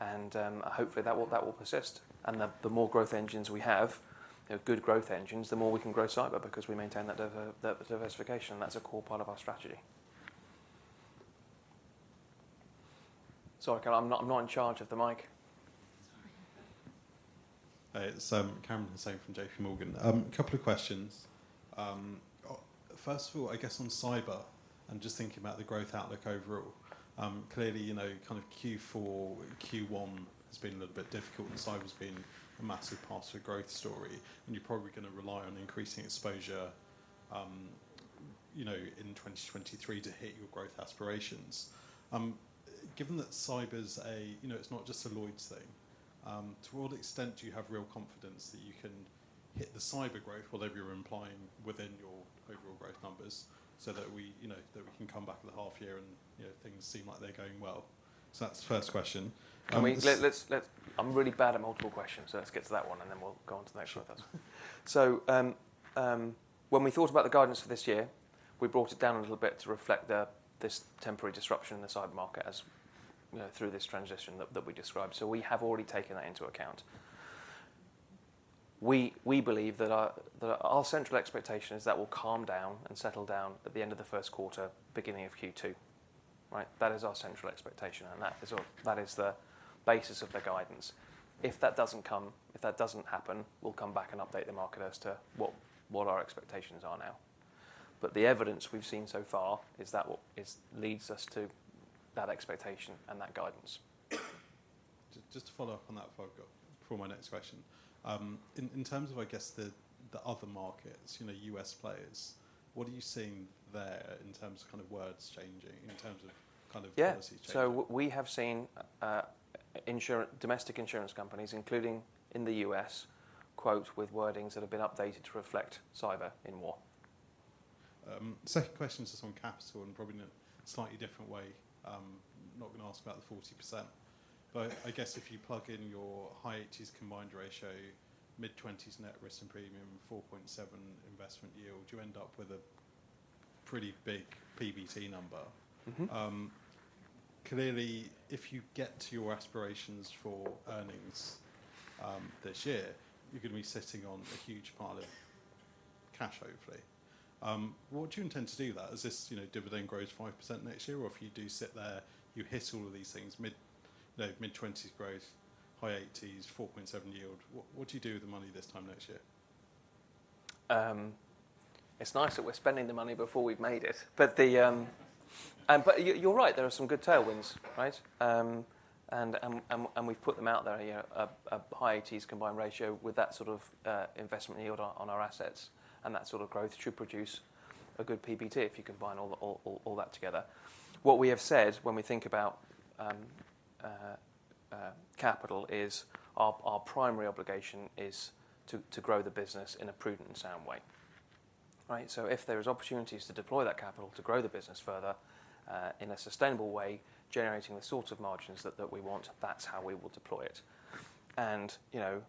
Hopefully, that will persist. The, the more growth engines we have, you know, good growth engines, the more we can grow cyber because we maintain that diversification. That's a core part of our strategy. Sorry, can I... I'm not in charge of the mic. Sorry. It's Cameron Haisman from J.P. Morgan A couple of questions. First of all, I guess on cyber and just thinking about the growth outlook overall. Clearly, you know, kind of Q4, Q1 has been a little bit difficult, and cybers been a massive part of your growth story, and you're probably gonna rely on increasing exposure, you know, in 2023 to hit your growth aspirations. Given that cybers a, you know, it's not just a Lloyd's thing, to what extent do you have real confidence that you can hit the cyber growth, whatever you're implying within your overall growth numbers so that we, you know, that we can come back at the half year and, you know, things seem like they're going well. That's the first question. I mean, let's. I'm really bad at multiple questions, so let's get to that one, and then we'll go on to the next one. Sure. When we thought about the guidance for this year, we brought it down a little bit to reflect the this temporary disruption in the cyber market as, you know, through this transition that we described. We have already taken that into account. We believe that our central expectation is that will calm down and settle down at the end of the first quarter, beginning of Q2, right? That is our central expectation, and that is all, that is the basis of the guidance. If that doesn't come, if that doesn't happen, we'll come back and update the market as to what our expectations are now. The evidence we've seen so far is that leads us to that expectation and that guidance. Just to follow up on that before I go, before my next question. In terms of, I guess the other markets, you know, U.S. players, what are you seeing there in terms of kind of words changing, in terms of kind of policies changing? Yeah. We have seen, insurance, domestic insurance companies, including in the U.S. quote with wordings that have been updated to reflect cyber in more. Second question is on capital and probably in a slightly different way. Not gonna ask about the 40%. I guess if you plug in your high 80s combined ratio, mid-20s net risk and premium, 4.7% investment yield, you end up with a pretty big PBT number. Mm-hmm. Clearly, if you get to your aspirations for earnings, this year, you're gonna be sitting on a huge pile of cash, hopefully. What do you intend to do with that? Is this, you know, dividend grows 5% next year, or if you do sit there, you hit all of these things mid, you know, mid-20s growth, high 80s, 4.7% yield, what do you do with the money this time next year? It's nice that we're spending the money before we've made it. You're right, there are some good tailwinds, right? We've put them out there, you know, a high 80s combined ratio with that sort of investment yield on our assets and that sort of growth should produce a good PBT if you combine all that together. What we have said when we think about capital is our primary obligation is to grow the business in a prudent and sound way, right? If there is opportunities to deploy that capital to grow the business further, in a sustainable way, generating the sorts of margins that we want, that's how we will deploy it. You know,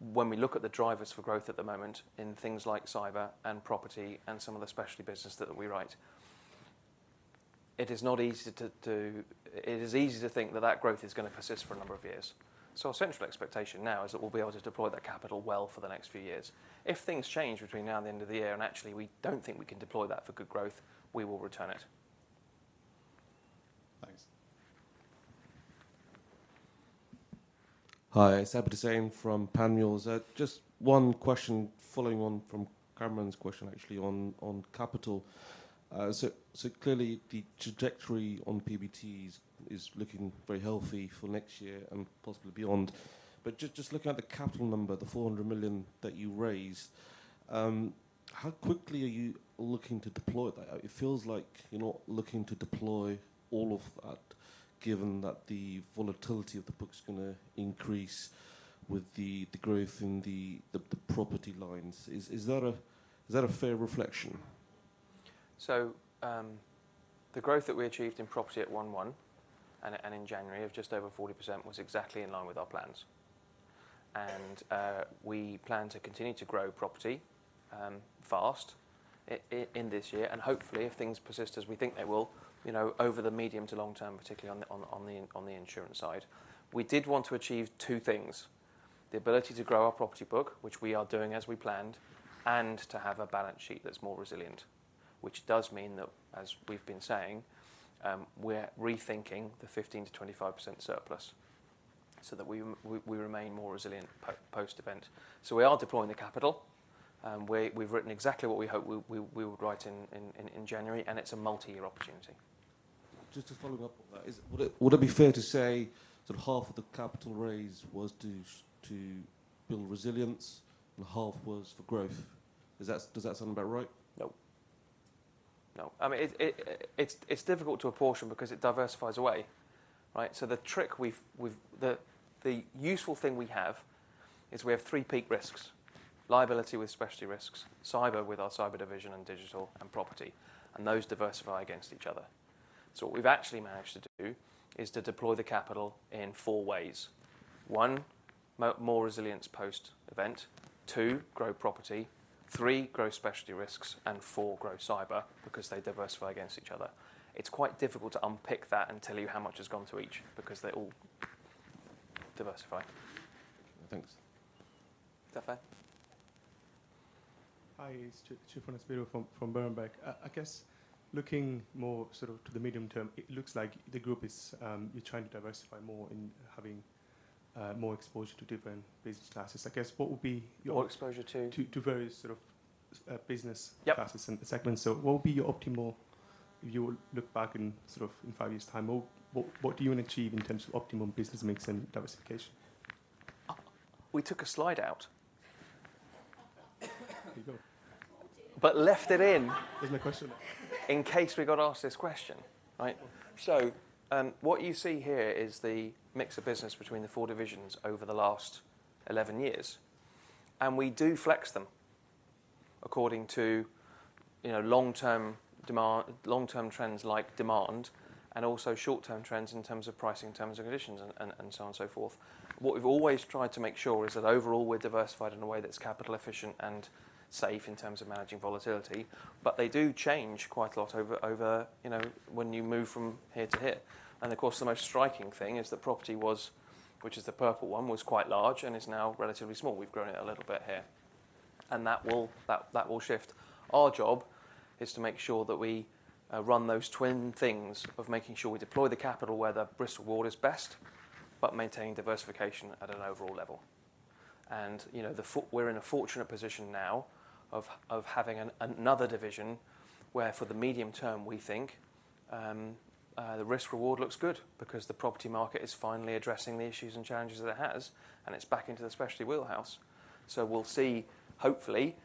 when we look at the drivers for growth at the moment in things like cyber and property and some of the specialty business that we write, it is not easy to think that that growth is gonna persist for a number of years. Our central expectation now is that we'll be able to deploy that capital well for the next few years. If things change between now and the end of the year, and actually we don't think we can deploy that for good growth, we will return it. Thanks. Hi. Abid Hussain from Panmure Gordon. Just one question following on from Cameron's question, actually, on capital. Clearly the trajectory on PBT is looking very healthy for next year and possibly beyond. Just looking at the capital number, the $400 million that you raised, how quickly are you looking to deploy that? It feels like you're not looking to deploy all of that given that the volatility of the book's gonna increase with the growth in the property lines. Is that a fair reflection? The growth that we achieved in property at 1/1 and in January of just over 40% was exactly in line with our plans. We plan to continue to grow property fast in this year and hopefully, if things persist as we think they will, you know, over the medium to long term, particularly on the insurance side. We did want to achieve two things, the ability to grow our property book, which we are doing as we planned, and to have a balance sheet that's more resilient, which does mean that, as we've been saying, we're rethinking the 15%-25% surplus so that we remain more resilient post-event. We are deploying the capital. We've written exactly what we hope we would write in January. It's a multi-year opportunity. Just to follow up on that. Would it be fair to say that half of the capital raise was to build resilience and half was for growth? Does that sound about right? No. No. I mean, it's difficult to apportion because it diversifies away, right? The trick we've the useful thing we have is we have 3 peak risks, liability with Specialty Risks, cyber with our cyber division and digital and property, and those diversify against each other. What we've actually managed to do is to deploy the capital in 4 ways. 1, more resilience post-event. 2, grow property. 3, grow Specialty Risks. 4, grow cyber because they diversify against each other. It's quite difficult to unpick that and tell you how much has gone to each because they all diversify. Thanks. Is that fair? Hi. It's Tryfonas Spyrou from Berenberg. I guess looking more sort of to the medium term, it looks like the group is, you're trying to diversify more in having, more exposure to different business classes. I guess what would be your. More exposure to? To various sort of Yep... classes and segments. What would be your optimal, if you would look back in sort of in five years time, what do you wanna achieve in terms of optimum business mix and diversification? We took a slide out. There you go. left it. There's no question. ... in case we got asked this question, right? What you see here is the mix of business between the 4 divisions over the last 11 years. We do flex them according to, you know, long-term trends like demand and also short-term trends in terms of pricing, in terms of conditions and so on and so forth. What we've always tried to make sure is that overall we're diversified in a way that's capital efficient and safe in terms of managing volatility. They do change quite a lot over, you know, when you move from here to here. Of course, the most striking thing is that property was, which is the purple one, was quite large and is now relatively small. We've grown it a little bit here, and that will shift. Our job is to make sure that we run those twin things of making sure we deploy the capital where the risk reward is best, but maintaining diversification at an overall level. You know, we're in a fortunate position now of having another division where for the medium term we think the risk reward looks good because the property market is finally addressing the issues and challenges that it has, and it's back into the specialty wheelhouse. We'll see hopefully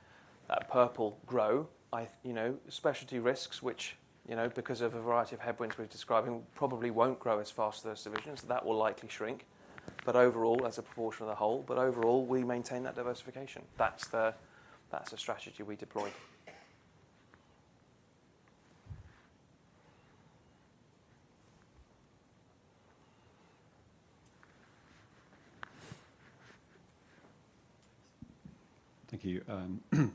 that purple grow. I, you know, Specialty Risks, which, you know, because of a variety of headwinds we've describing probably won't grow as fast those divisions that will likely shrink. Overall, as a proportion of the whole we maintain that diversification. That's the strategy we deploy. Thank you.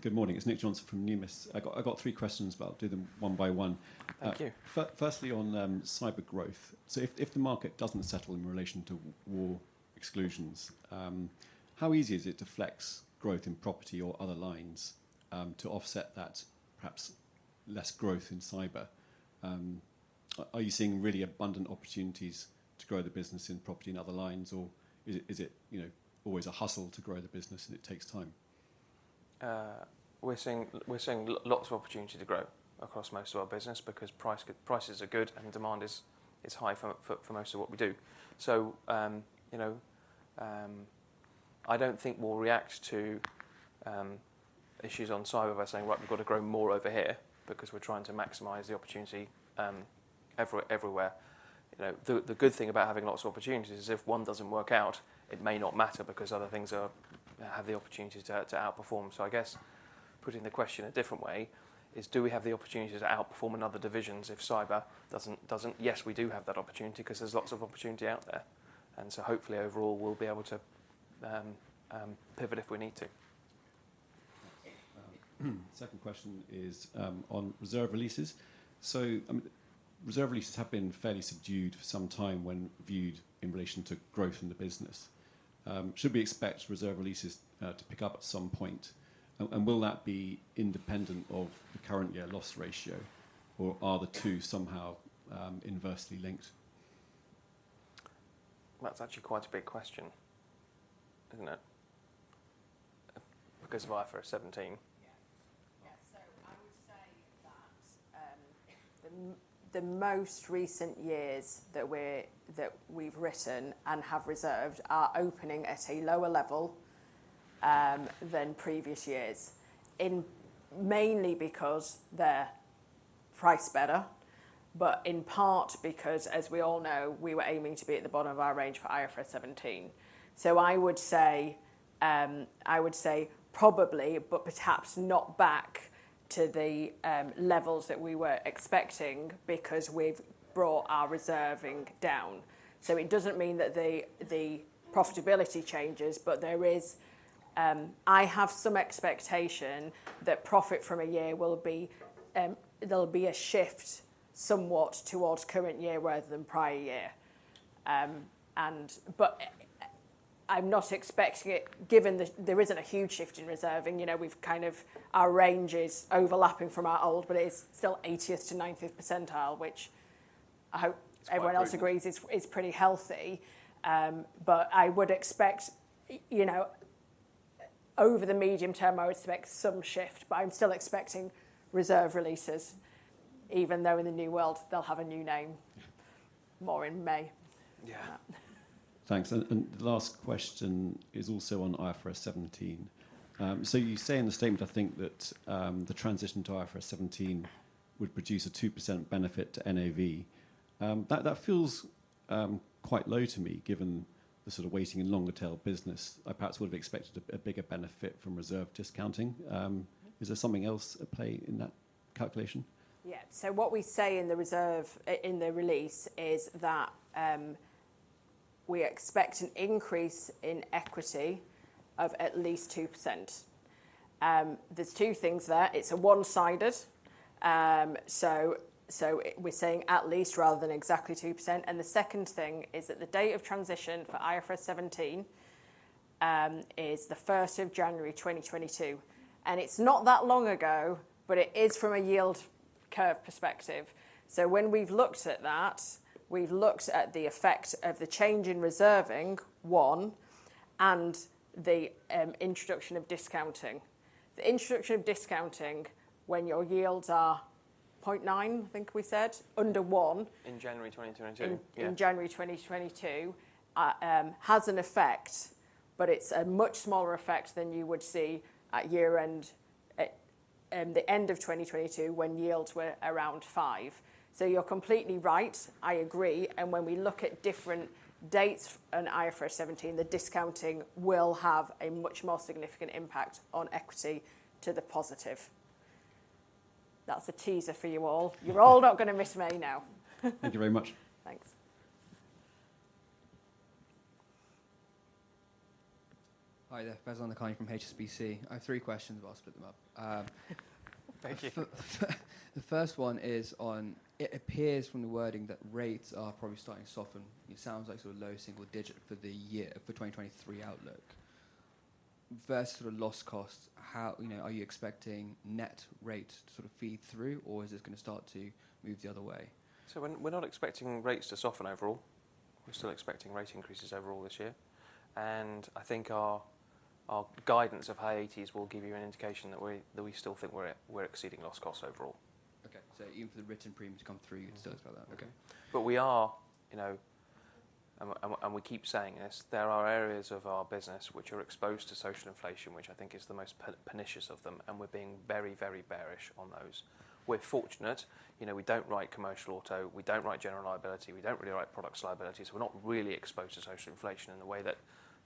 Good morning. It's Nick Johnson from Numis. I got three questions, but I'll do them one by one. Thank you. Firstly on cyber growth. If the market doesn't settle in relation to war exclusions, how easy is it to flex growth in property or other lines to offset that perhaps less growth in cyber? Are you seeing really abundant opportunities to grow the business in property and other lines? Is it, you know, always a hustle to grow the business and it takes time? We're seeing lots of opportunity to grow across most of our business because prices are good and demand is high for most of what we do. You know, I don't think we'll react to issues on cyber by saying, "Well, we've gotta grow more over here because we're trying to maximize the opportunity everywhere." You know, the good thing about having lots of opportunities is if one doesn't work out, it may not matter because other things are, have the opportunity to outperform. So I guess putting the question a different way is do we have the opportunity to outperform in other divisions if cyber doesn't? Yes, we do have that opportunity 'cause there's lots of opportunity out there. Hopefully overall we'll be able to pivot if we need to. Thanks. Second question is on reserve releases. I mean, reserve releases have been fairly subdued for some time when viewed in relation to growth in the business. Should we expect reserve releases to pick up at some point? Will that be independent of the current year loss ratio, or are the two somehow inversely linked? That's actually quite a big question, isn't it? Because of IFRS 17. Yeah. Yeah. I would say that the most recent years that we've written and have reserved are opening at a lower level than previous years in... mainly because they're price better, but in part because as we all know, we were aiming to be at the bottom of our range for IFRS 17. I would say probably, but perhaps not back to the levels that we were expecting because we've brought our reserving down. It doesn't mean that the profitability changes, but there is I have some expectation that profit from a year will be there'll be a shift somewhat towards current year rather than prior year. I'm not expecting it given that there isn't a huge shift in reserving. You know, we've kind of... our range is overlapping from our old, but it is still 80th to 90th percentile, which I hope everyone else agrees is pretty healthy. I would expect, you know, over the medium term, I would expect some shift, but I'm still expecting reserve releases even though in the new world they'll have a new name. More in May. Yeah. Thanks. The last question is also on IFRS 17. You say in the statement, I think that the transition to IFRS 17 would produce a 2% benefit to NAV. That feels quite low to me given the sort of weighting in longer tail business. I perhaps would've expected a bigger benefit from reserve discounting. Is there something else at play in that calculation? Yeah. What we say in the reserve in the release is that we expect an increase in equity of at least 2%. There's 2 things there. It's a one-sided. We're saying at least rather than exactly 2%. The second thing is that the date of transition for IFRS 17 is the 1st of January 2022. It's not that long ago, but it is from a yield curve perspective. When we've looked at that, we've looked at the effect of the change in reserving, one, and the introduction of discounting. The introduction of discounting when your yields are 0.9, I think we said, under 1. In January 2022. Yeah. In January 2022, has an effect, but it's a much smaller effect than you would see at year-end at the end of 2022 when yields were around 5. You're completely right. I agree. When we look at different dates and IFRS 17, the discounting will have a much more significant impact on equity to the positive. That's a teaser for you all. You're all not gonna miss May now. Thank you very much. Thanks. Hi there. Faizan Lakhani from HSBC. I have 3 questions. I'll split them up. Thank you. The first one is on, it appears from the wording that rates are probably starting to soften. It sounds like sort of low single digit for the year, for 2023 outlook. Versus the loss costs, how? You know, are you expecting net rate to sort of feed through, or is this gonna start to move the other way? We're not expecting rates to soften overall. We're still expecting rate increases overall this year. I think our guidance of high 80s will give you an indication that we still think we're exceeding loss costs overall. Okay. Even for the written premium to come through, you'd still expect that. Okay. We are, you know, and we keep saying this, there are areas of our business which are exposed to social inflation, which I think is the most pernicious of them, and we're being very, very bearish on those. We're fortunate, you know, we don't write commercial auto, we don't write general liability, we don't really write products liability, so we're not really exposed to social inflation in the way that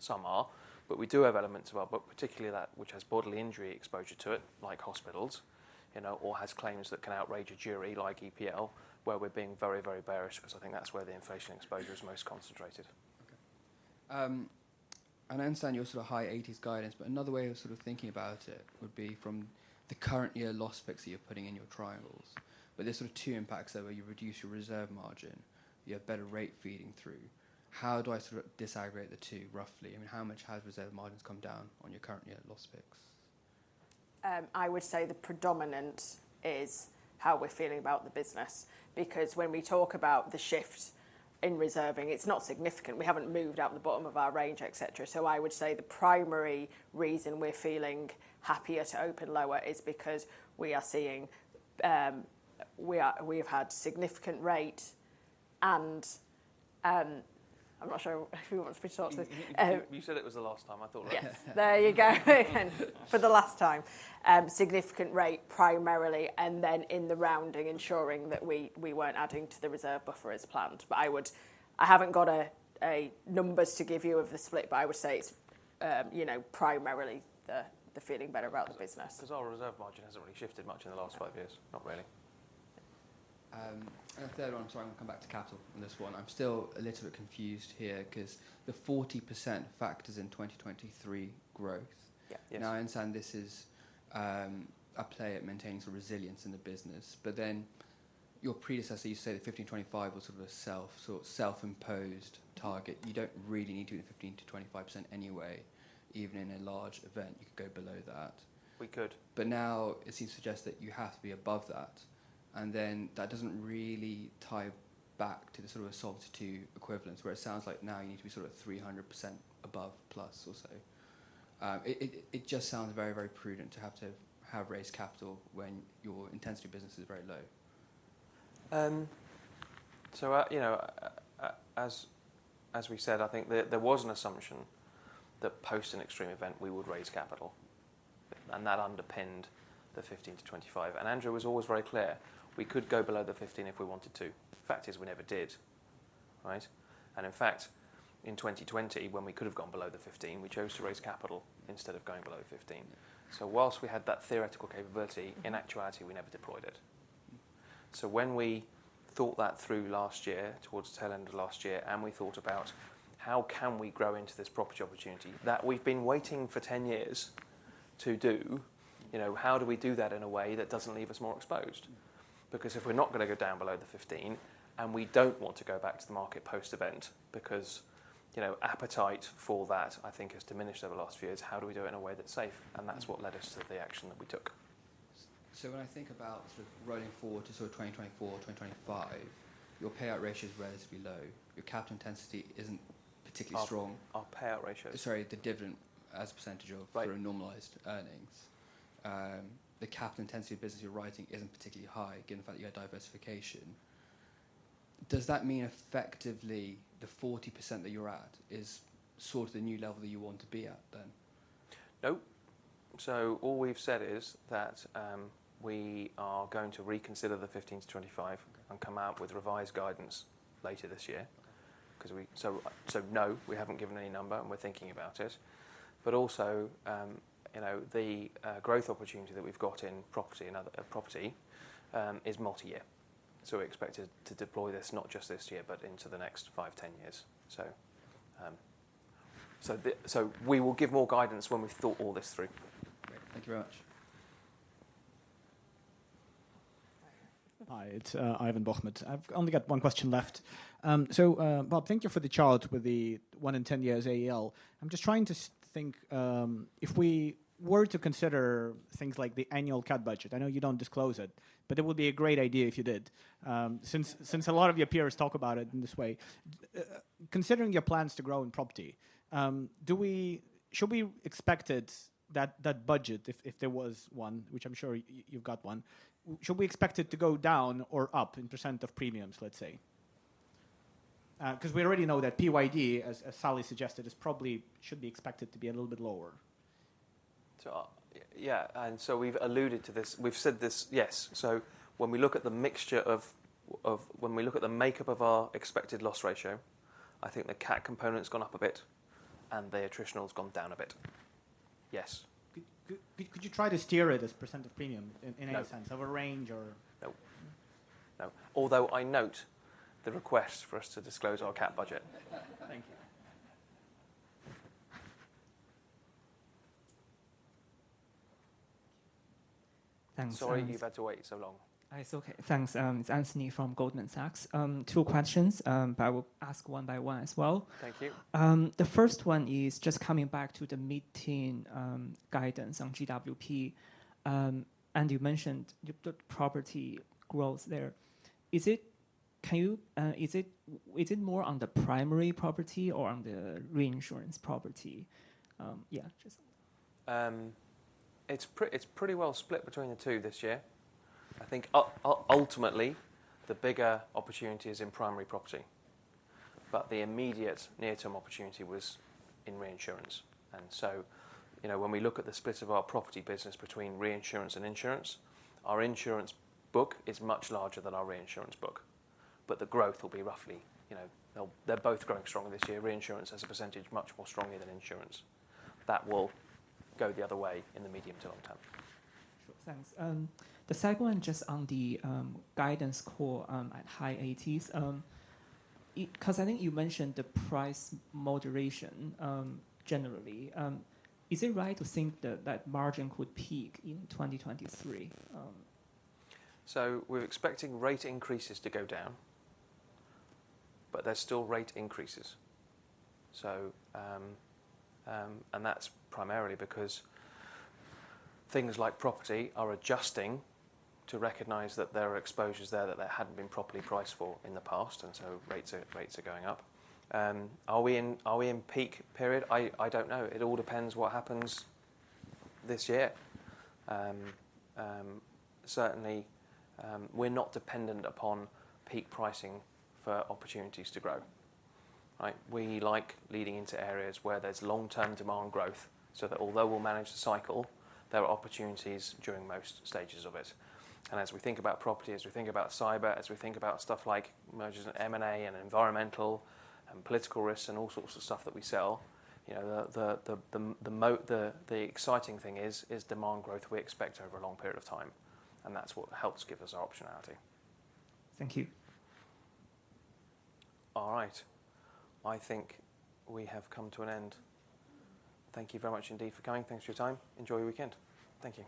some are. We do have elements of our book, particularly that which has bodily injury exposure to it, like hospitals, you know, or has claims that can outrage a jury like EPL, where we're being very, very bearish because I think that's where the inflation exposure is most concentrated. I understand your sort of high 80s guidance, another way of sort of thinking about it would be from the current year loss picks that you're putting in your triangles. There's sort of 2 impacts there, where you reduce your reserve margin, you have better rate feeding through. How do I sort of disaggregate the 2 roughly? I mean, how much has reserve margins come down on your current year loss picks? I would say the predominant is how we're feeling about the business. When we talk about the shift in reserving, it's not significant. We haven't moved out the bottom of our range, et cetera. I would say the primary reason we're feeling happier to open lower is because we are seeing, we have had significant rate and... I'm not sure who wants to start this. You said it was the last time. Yes. There you go. For the last time, significant rate primarily, and then in the rounding, ensuring that we weren't adding to the reserve buffer as planned. I haven't got a numbers to give you of the split, I would say it's, you know, primarily the feeling better about the business. 'Cause our reserve margin hasn't really shifted much in the last five years. Not really. a third one. I'm gonna come back to capital on this one. I'm still a little bit confused here 'cause the 40% factors in 2023 growth. Yeah. Yes. I understand this is a play at maintaining sort of resilience in the business. Your predecessor used to say that 15-25 was a self-imposed target. You don't really need to do the 15%-25% anyway. Even in a large event, you could go below that. We could. now it seems to suggest that you have to be above that, and then that doesn't really tie back to the sort of a solitude equivalence, where it sounds like now you need to be sort of 300% above plus or so. It just sounds very, very prudent to have raised capital when your intensity business is very low. you know, as we said, I think there was an assumption that post an extreme event we would raise capital, that underpinned the 15-25. Andrew was always very clear. We could go below the 15 if we wanted to. The fact is we never did, right? In fact, in 2020, when we could have gone below the 15, we chose to raise capital instead of going below 15. Whilst we had that theoretical capability, in actuality we never deployed it. When we thought that through last year, towards the tail end of last year, and we thought about how can we grow into this property opportunity that we've been waiting for 10 years to do, you know, how do we do that in a way that doesn't leave us more exposed? If we're not going to go down below the 15, and we don't want to go back to the market post-event, because, you know, appetite for that, I think has diminished over the last few years. How do we do it in a way that's safe? That's what led us to the action that we took. When I think about sort of rolling forward to sort of 2024, 2025, your payout ratio is relatively low. Your capital intensity isn't particularly strong. Our payout ratio? Sorry, the dividend as a percentage of- Right... your normalized earnings. The capital intensity of business you're writing isn't particularly high, given the fact that you had diversification. Does that mean effectively the 40% that you're at is sort of the new level that you want to be at then? Nope. All we've said is that we are going to reconsider the 15%-25% and come out with revised guidance later this year. Because no, we haven't given any number, and we're thinking about it. Also, you know, the growth opportunity that we've got in property and other property is multi-year. We expect it to deploy this not just this year, but into the next 5, 10 years. We will give more guidance when we've thought all this through. Great. Thank you very much. Hi, it's Ivan Bokhmat. I've only got 1 question left. Bob, thank you for the chart with the one in 10 years AEL. I'm just trying to think, if we were to consider things like the annual CAT budget, I know you don't disclose it, but it would be a great idea if you did, since a lot of your peers talk about it in this way. Considering your plans to grow in property, shall we expect it that budget, if there was one, which I'm sure you've got one, shall we expect it to go down or up in % of premiums, let's say? We already know that PYD, as Sally suggested, should be expected to be a little bit lower. Yeah. We've alluded to this. We've said this, yes. When we look at the mixture of, when we look at the makeup of our expected loss ratio, I think the cat component's gone up a bit and the attritional's gone down a bit. Yes. Could you try to steer it as % of premium in any sense? No. Of a range or? No. No. Although I note the request for us to disclose our cat budget. Thank you. Thanks. Sorry you've had to wait so long. It's okay. Thanks. It's Anthony from Goldman Sachs. two questions, I will ask one by one as well. Thank you. The first one is just coming back to the mid-teen guidance on GWP. You mentioned the property growth there. Is it more on the primary property or on the reinsurance property? It's pretty well split between the two this year. I think ultimately, the bigger opportunity is in primary property. The immediate near-term opportunity was in reinsurance. You know, when we look at the split of our property business between reinsurance and insurance, our insurance book is much larger than our reinsurance book. The growth will be roughly, you know. They're both growing strongly this year. Reinsurance as a percentage much more strongly than insurance. That will go the other way in the medium to long term. Sure. Thanks. The second one just on the guidance core at high 80s 'cause I think you mentioned the price moderation generally. Is it right to think that that margin could peak in 2023? We're expecting rate increases to go down, but they're still rate increases. That's primarily because things like property are adjusting to recognize that there are exposures there that there hadn't been properly priced for in the past, and so rates are going up. Are we in peak period? I don't know. It all depends what happens this year. Certainly, we're not dependent upon peak pricing for opportunities to grow, right? We like leading into areas where there's long-term demand growth, so that although we'll manage the cycle, there are opportunities during most stages of it. As we think about property, as we think about cyber, as we think about stuff like mergers and M&A and environmental and political risks and all sorts of stuff that we sell, you know, the exciting thing is demand growth we expect over a long period of time. That's what helps give us our optionality. Thank you. All right. I think we have come to an end. Thank you very much indeed for coming. Thanks for your time. Enjoy your weekend. Thank you.